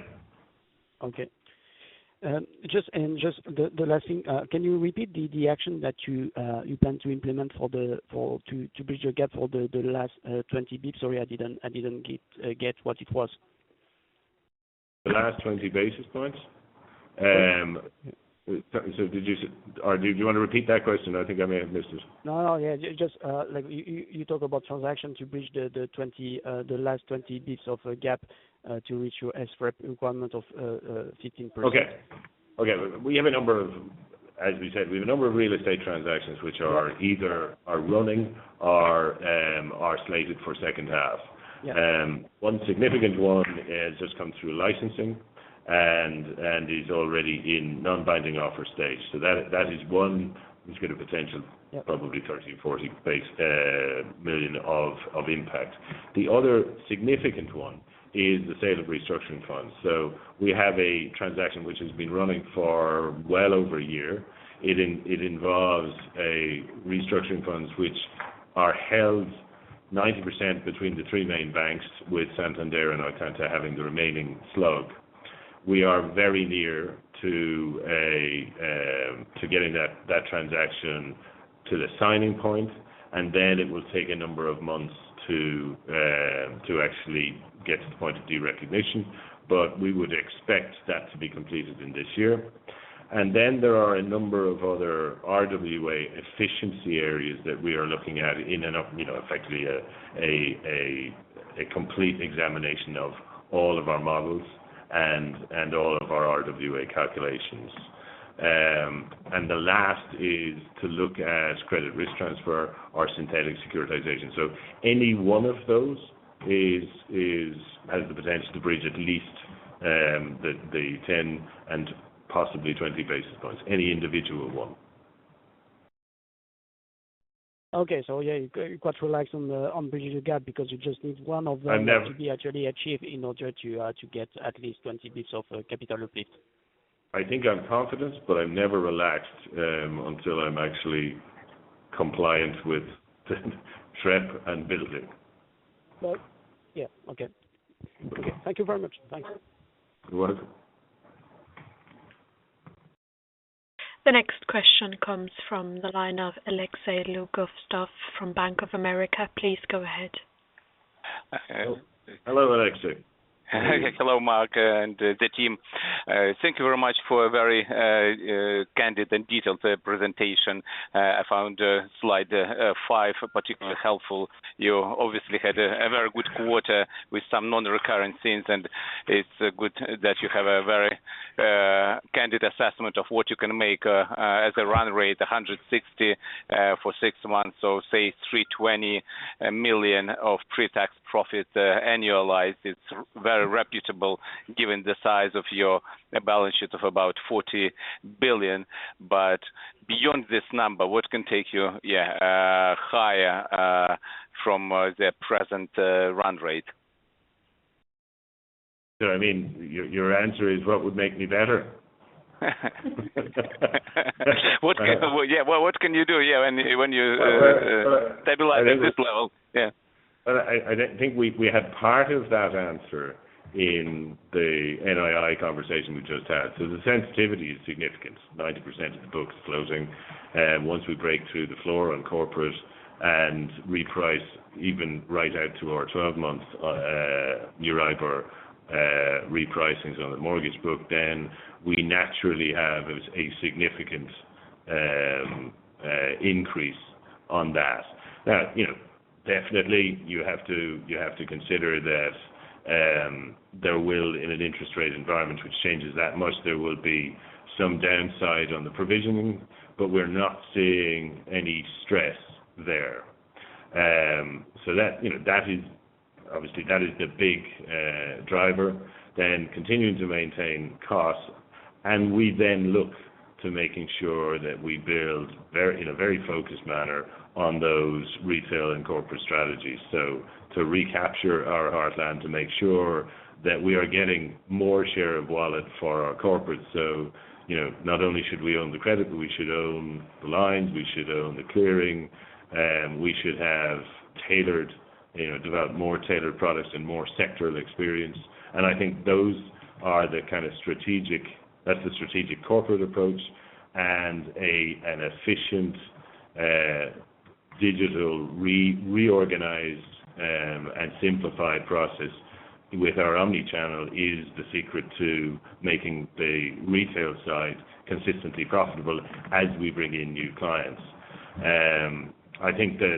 Okay. Just the last thing. Can you repeat the action that you plan to implement to bridge your gap for the last 20 basis points? Sorry, I didn't get what it was. The last 20 basis points? Yes. Do you want to repeat that question? I think I may have missed it. No, no. Yeah. Just, like you talked about transaction to bridge the last 20 bps of a gap to reach your SREP requirement of 15%. Okay. As we said, we have a number of real estate transactions which are either running or are slated for second half. Yeah. One significant one has just come through licensing and is already in non-binding offer stage. That is one who's got a potential- Yeah. Probably 30 million-40 million of impact. The other significant one is the sale of restructuring funds. We have a transaction which has been running for well over a year. It involves a restructuring funds which are held 90% between the three main banks with Santander and Arcenta having the remaining slug. We are very near to getting that transaction to the signing point, and then it will take a number of months to actually get to the point of derecognition. We would expect that to be completed in this year. There are a number of other RWA efficiency areas that we are looking at in and of, you know, effectively a complete examination of all of our models and all of our RWA calculations. The last is to look at credit risk transfer or synthetic securitization. Any one of those has the potential to bridge at least the 10 and possibly 20 basis points, any individual one. Okay. Yeah, you're quite relaxed on bridging the gap because you just need one of them. I've never- To be actually achieved in order to get at least 20 basis points of capital uplift. I think I'm confident, but I'm never relaxed until I'm actually compliant with SREP and building. Well, yeah. Okay. Thank you very much. Thanks. You're welcome. The next question comes from the line of Alexei Lugovtsov from Bank of America. Please go ahead. Hello, Alexei. Hello, Mark, and the team. Thank you very much for a very candid and detailed presentation. I found slide 5 particularly helpful. You obviously had a very good quarter with some non-recurrent things, and it's good that you have a very candid assessment of what you can make as a run rate, 160 for six months. Say 320 million of pre-tax profits annualized. It's very respectable given the size of your balance sheet of about 40 billion. Beyond this number, what can take you higher from the present run rate? I mean, your answer is what would make me better? What can you do, yeah, when you stabilize at this level? Yeah. I think we had part of that answer in the NII conversation we just had. The sensitivity is significant, 90% of the books closing. Once we break through the floor on corporate and reprice even right out to our 12-month Euribor repricings on the mortgage book, then we naturally have a significant increase on that. Now, you know, definitely you have to consider that there will, in an interest rate environment which changes that much, there will be some downside on the provisioning, but we're not seeing any stress there. That, you know, that is obviously the big driver. Continuing to maintain costs, and we then look to making sure that we build very, in a very focused manner on those retail and corporate strategies. To recapture our heartland, to make sure that we are getting more share of wallet for our corporate. Not only should we own the credit, but we should own the lines, we should own the clearing, we should have tailored, develop more tailored products and more sectoral experience. I think those are the kind of strategic. That's the strategic corporate approach and an efficient, digital reorganized, and simplified process with our omnichannel is the secret to making the retail side consistently profitable as we bring in new clients. I think that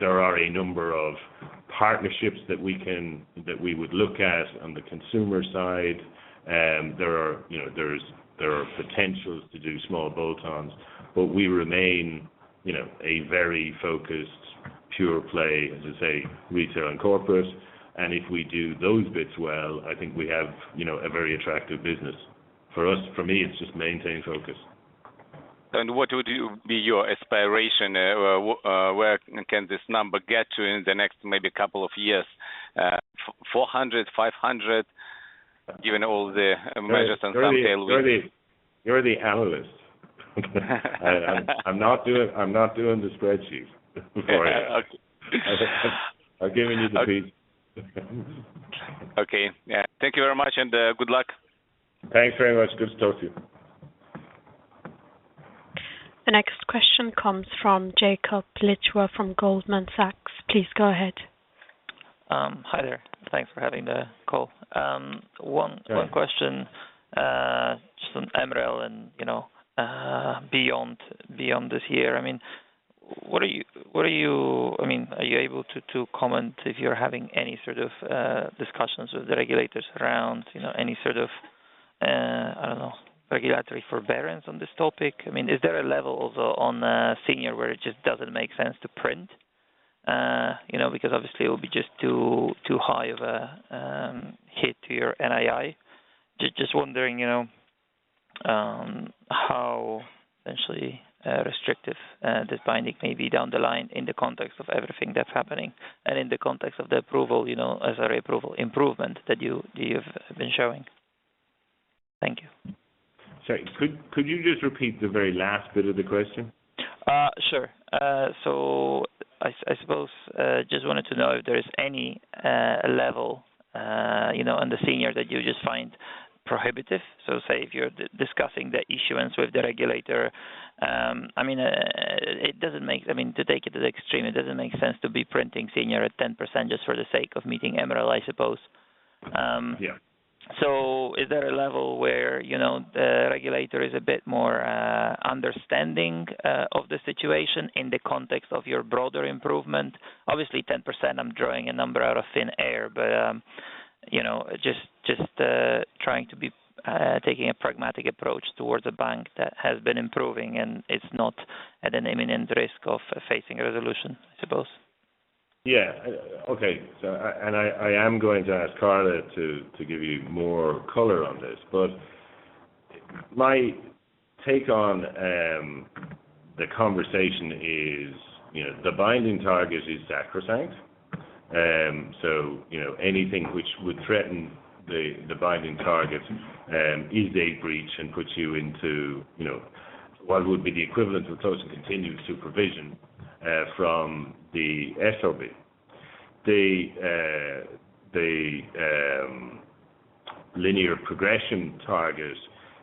there are a number of partnerships that we would look at on the consumer side. There are potentials to do small bolt-ons, but we remain a very focused pure play, as I say, retail and corporate. If we do those bits well, I think we have, you know, a very attractive business. For us, for me, it's just maintain focus. What would be your aspiration? Where can this number get to in the next maybe couple of years, 400, 500, given all the measures on You're the analyst. I'm not doing the spreadsheet for you. Okay. I'm giving you the piece. Okay. Thank you very much, and good luck. Thanks very much. Good to talk to you. The next question comes from Jakub Lichwa from Goldman Sachs. Please go ahead. Hi there. Thanks for having the call. Yeah. One question, just on MREL and beyond this year. I mean, are you able to comment if you're having any sort of discussions with the regulators around any sort of regulatory forbearance on this topic? I mean, is there a level, though, on senior where it just doesn't make sense to print because obviously it will be just too high of a hit to your NII. Just wondering how essentially restrictive this binding may be down the line in the context of everything that's happening and in the context of the approval as an approval improvement that you've been showing. Thank you. Sorry. Could you just repeat the very last bit of the question? Sure. I suppose just wanted to know if there is any level, you know, on the senior that you just find prohibitive. Say if you're discussing the issuance with the regulator, I mean, to take it to the extreme, it doesn't make sense to be printing senior at 10% just for the sake of meeting MREL, I suppose. Yeah. is there a level where, you know, the regulator is a bit more understanding of the situation in the context of your broader improvement? Obviously, 10%, I'm drawing a number out of thin air, but you know, just trying to be taking a pragmatic approach towards a bank that has been improving and is not at an imminent risk of facing a resolution, I suppose. Yeah. Okay. I am going to ask Carla to give you more color on this, but my take on the conversation is, you know, the binding target is sacrosanct. You know, anything which would threaten the binding target is a breach and puts you into, you know, what would be the equivalent of close to continuous supervision from the SRB. The linear progression target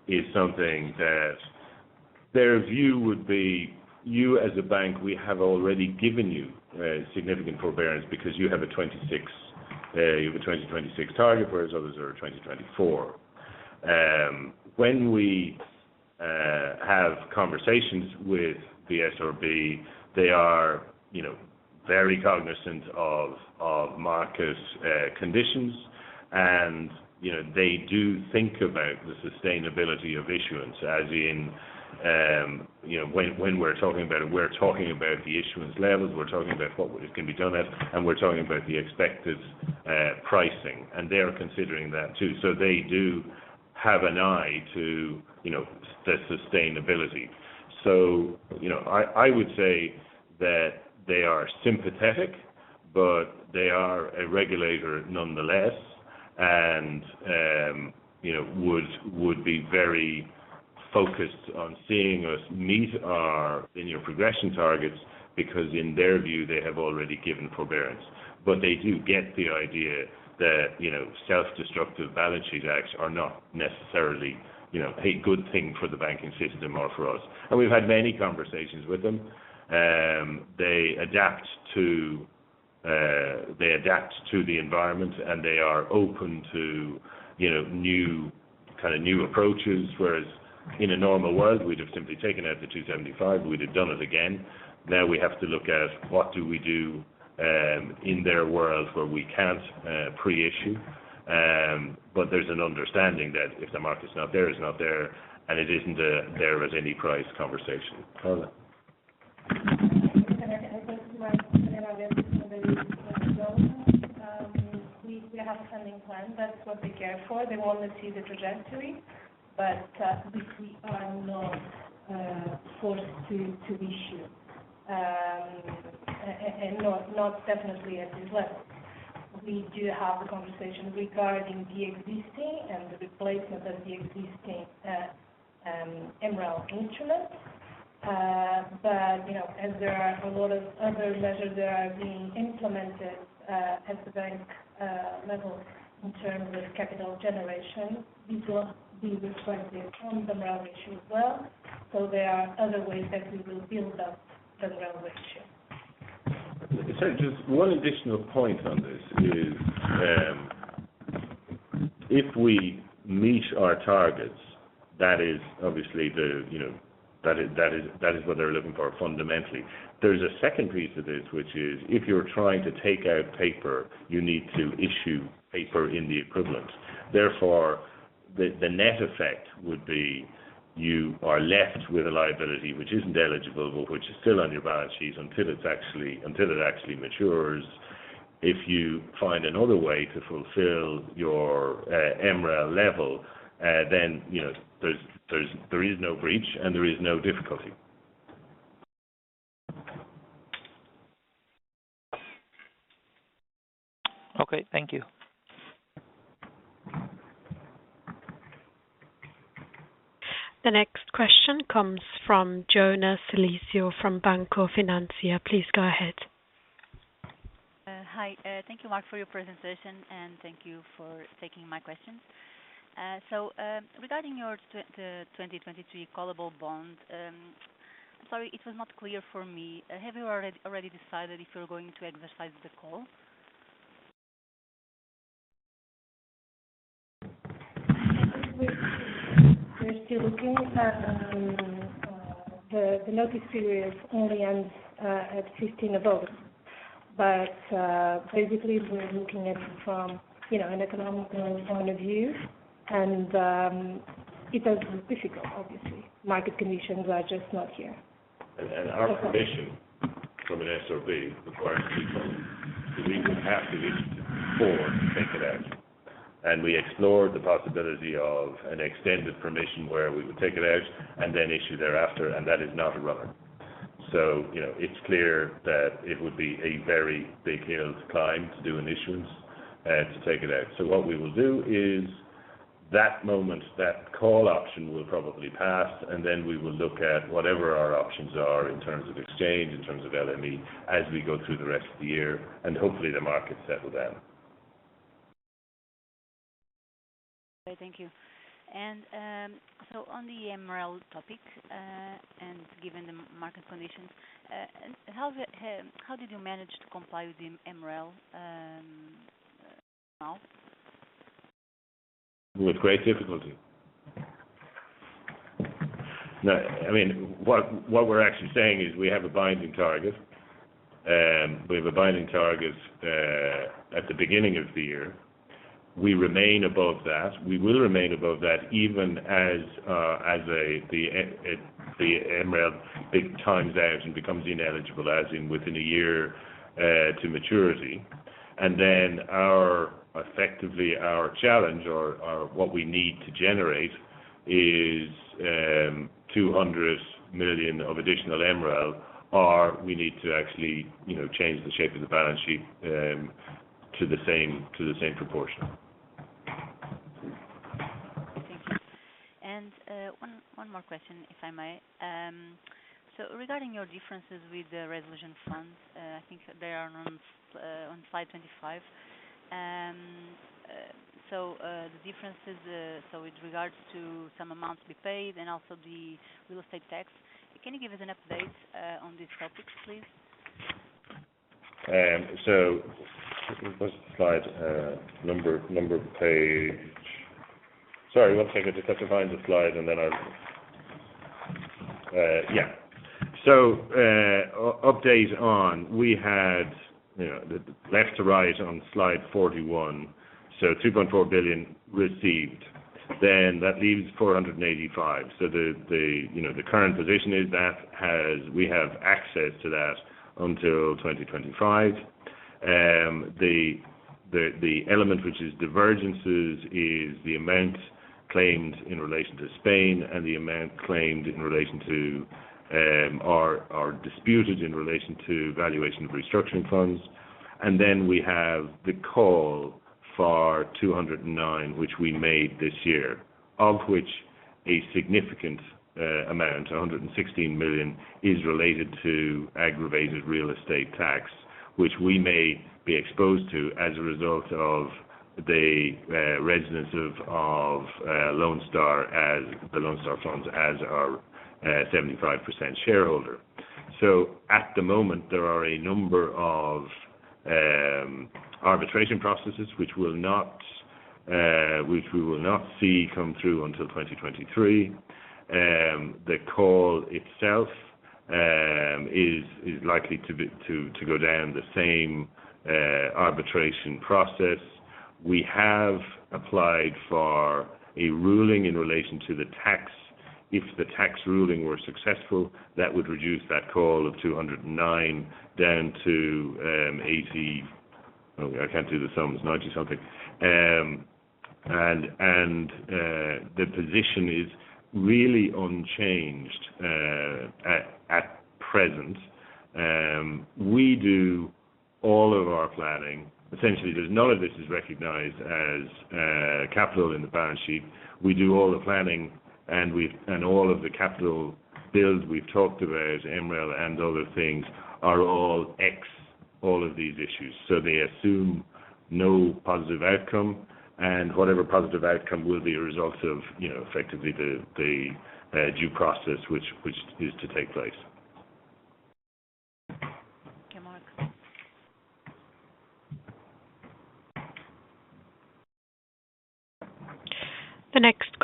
is something that their view would be you as a bank, we have already given you significant forbearance because you have a 2026 target, whereas others are at 2024. When we have conversations with the SRB, they are, you know, very cognizant of market conditions. You know, they do think about the sustainability of issuance. As in, you know, when we're talking about it, we're talking about the issuance levels, we're talking about what can be done at, and we're talking about the expected pricing. They are considering that, too. They do have an eye to, you know, the sustainability. You know, I would say that they are sympathetic, but they are a regulator nonetheless. You know, they would be very focused on seeing us meet our linear progression targets because in their view, they have already given forbearance. They do get the idea that, you know, self-destructive balance sheet acts are not necessarily, you know, a good thing for the banking system or for us. We've had many conversations with them. They adapt to the environment, and they are open to, you know, new kind of approaches. Whereas in a normal world, we'd have simply taken out the 275, we'd have done it again. Now we have to look at what do we do in their world where we can't pre-issue. There's an understanding that if the market's not there, it's not there, and it isn't there, as in any price conversation. Carla. We have a funding plan. That's what they care for. They want to see the trajectory, but we are not forced to issue and not definitely at this level. We do have a conversation regarding the existing and the replacement of the existing MREL instrument. You know, as there are a lot of other measures that are being implemented at the bank level in terms of capital generation, this will be reflected on the MREL issue as well. There are other ways that we will build up the MREL ratio. Sorry, just one additional point on this is, if we meet our targets, that is obviously, you know, that is what they're looking for fundamentally. There's a second piece of this, which is if you're trying to take out paper, you need to issue paper in the equivalent. Therefore, the net effect would be you are left with a liability which isn't eligible, but which is still on your balance sheet until it actually matures. If you find another way to fulfill your MREL level, then, you know, there is no breach, and there is no difficulty. Okay, thank you. The next question comes from Jonas Solício from Banco Finantia. Please go ahead. Hi. Thank you, Mark, for your presentation, and thank you for taking my question. Regarding the 2023 callable bond, sorry, it was not clear for me. Have you already decided if you're going to exercise the call? We're still looking. The notice period only ends at 15 of August. Basically, we're looking at it from, you know, an economic point of view. It does look difficult, obviously. Market conditions are just not here. Our permission from an SRB requires pre-call. We would have to issue before take it out. We explored the possibility of an extended permission where we would take it out and then issue thereafter, and that is not a runner. You know, it's clear that it would be a very big hill to climb to do an issuance to take it out. What we will do is that moment that call option will probably pass, and then we will look at whatever our options are in terms of exchange, in terms of LME, as we go through the rest of the year, and hopefully the markets settle down. Okay. Thank you. On the MREL topic and given the market conditions, how did you manage to comply with the MREL now? With great difficulty. No, I mean, what we're actually saying is we have a binding target. We have a binding target at the beginning of the year. We remain above that. We will remain above that even as the MREL times out and becomes ineligible within a year to maturity. Effectively our challenge or what we need to generate is 200 million of additional MREL, or we need to actually, you know, change the shape of the balance sheet to the same proportion. Thank you. One more question, if I may. Regarding your differences with the resolution funds, I think they are on slide 25. The differences with regards to some amounts to be paid and also the real estate tax, can you give us an update on these topics please? Update on we had, you know, the left to right on slide 41, so 2.4 billion received. That leaves 485 million. The current position is that we have access to that until 2025. The element which is divergences is the amount claimed in relation to Spain, and the amount claimed in relation to or disputed in relation to valuation of restructuring funds. We have the call for 209 million, which we made this year, of which a significant amount, 116 million, is related to aggravated real estate tax, which we may be exposed to as a result of the residence of Lone Star Funds as our 75% shareholder. At the moment, there are a number of arbitration processes which we will not see come through until 2023. The call itself is likely to go down the same arbitration process. We have applied for a ruling in relation to the tax. If the tax ruling were successful, that would reduce that call of 209 down to 80. I can't do the sums. Ninety something. The position is really unchanged at present. We do all of our planning. Essentially, there's none of this is recognized as capital in the balance sheet. We do all the planning, and all of the capital builds we've talked about, MREL and other things, are all on all of these issues. They assume no positive outcome, and whatever positive outcome will be a result of, you know, effectively the due process which is to take place.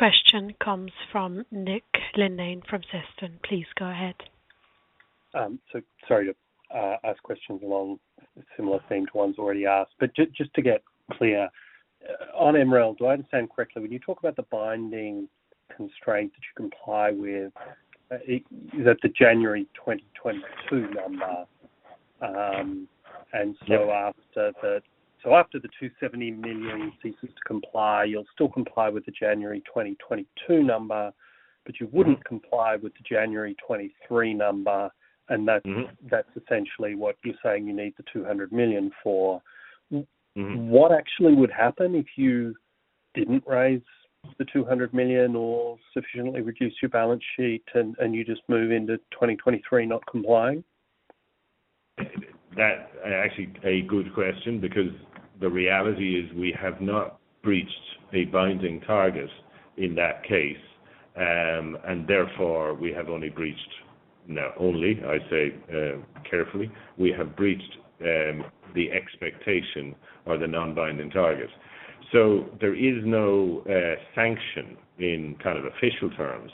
Thank you, Mark. The next question comes from Nick Linnane from Sefton. Please go ahead. Sorry to ask questions along similar themed ones already asked. Just to get clear, on MREL, do I understand correctly when you talk about the binding constraint that you comply with, is that the January 2022 number? Yes. After the 270 million ceases to comply, you'll still comply with the January 2022 number, but you wouldn't comply with the January 2023 number, and that. Mm-hmm. That's essentially what you're saying you need 200 million for. Mm-hmm. What actually would happen if you didn't raise the 200 million or sufficiently reduce your balance sheet and you just move into 2023 not complying? That's actually a good question because the reality is we have not breached a binding target in that case. Therefore, we have only breached, now only I say carefully, we have breached the expectation or the non-binding targets. There is no sanction in kind of official terms.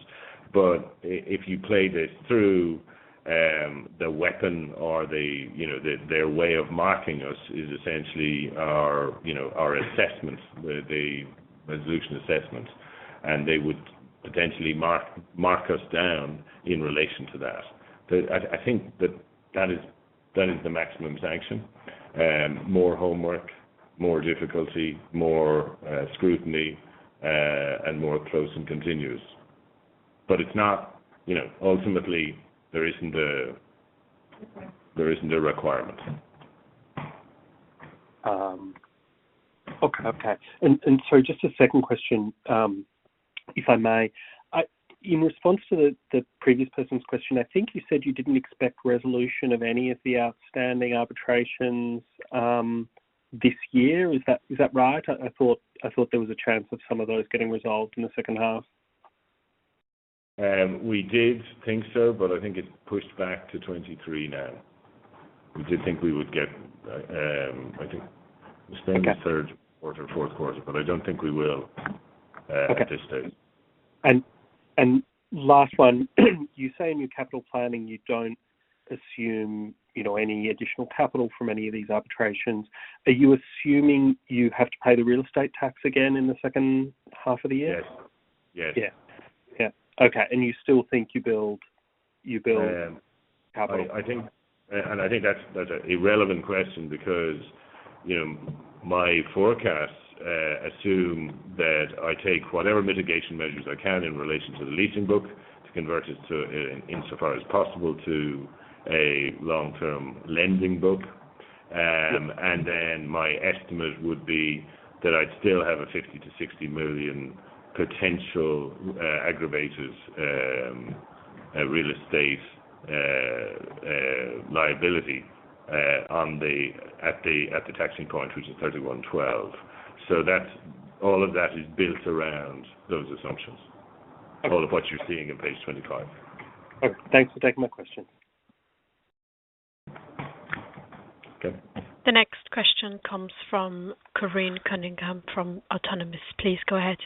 If you play this through, the weapon or the, you know, their way of marking us is essentially our, you know, our assessment, the resolution assessment. They would potentially mark us down in relation to that. I think that is the maximum sanction. More homework, more difficulty, more scrutiny, and more close and continuous. It's not, you know, ultimately there isn't a Requirement. There isn't a requirement. Just a second question, if I may. In response to the previous person's question, I think you said you didn't expect resolution of any of the outstanding arbitrations this year. Is that right? I thought there was a chance of some of those getting resolved in the second half. We did think so, but I think it's pushed back to 2023 now. We did think we would get, I think. Okay. It was then the third quarter, fourth quarter, but I don't think we will at this stage. Okay. Last one. You say in your capital planning you don't assume, you know, any additional capital from any of these arbitrations. Are you assuming you have to pay the real estate tax again in the second half of the year? Yes. Yes. Yeah. Yeah. Okay. You still think you build capital? I think that's a irrelevant question because, you know, my forecasts assume that I take whatever mitigation measures I can in relation to the leasing book to convert it to, insofar as possible, to a long-term lending book. Yeah. My estimate would be that I'd still have a 50-60 million potential aggravators, real estate liability at the taxing point, which is 31/12. That's all of that is built around those assumptions. Okay. All of what you're seeing in page 25. Okay. Thanks for taking my question. Okay. The next question comes from Corinne Cunningham from Autonomous. Please go ahead.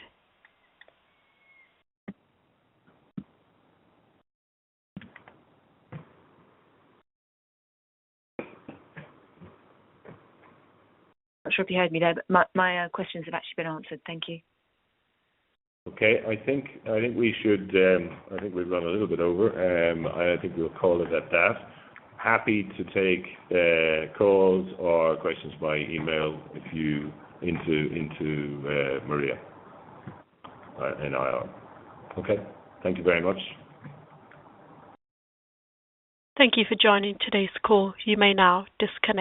Not sure if you heard me there, but my questions have actually been answered. Thank you. Okay. I think we should. I think we've run a little bit over. I think we'll call it at that. Happy to take calls or questions by email if you intro Maria. Okay. Thank you very much. Thank you for joining today's call. You may now disconnect.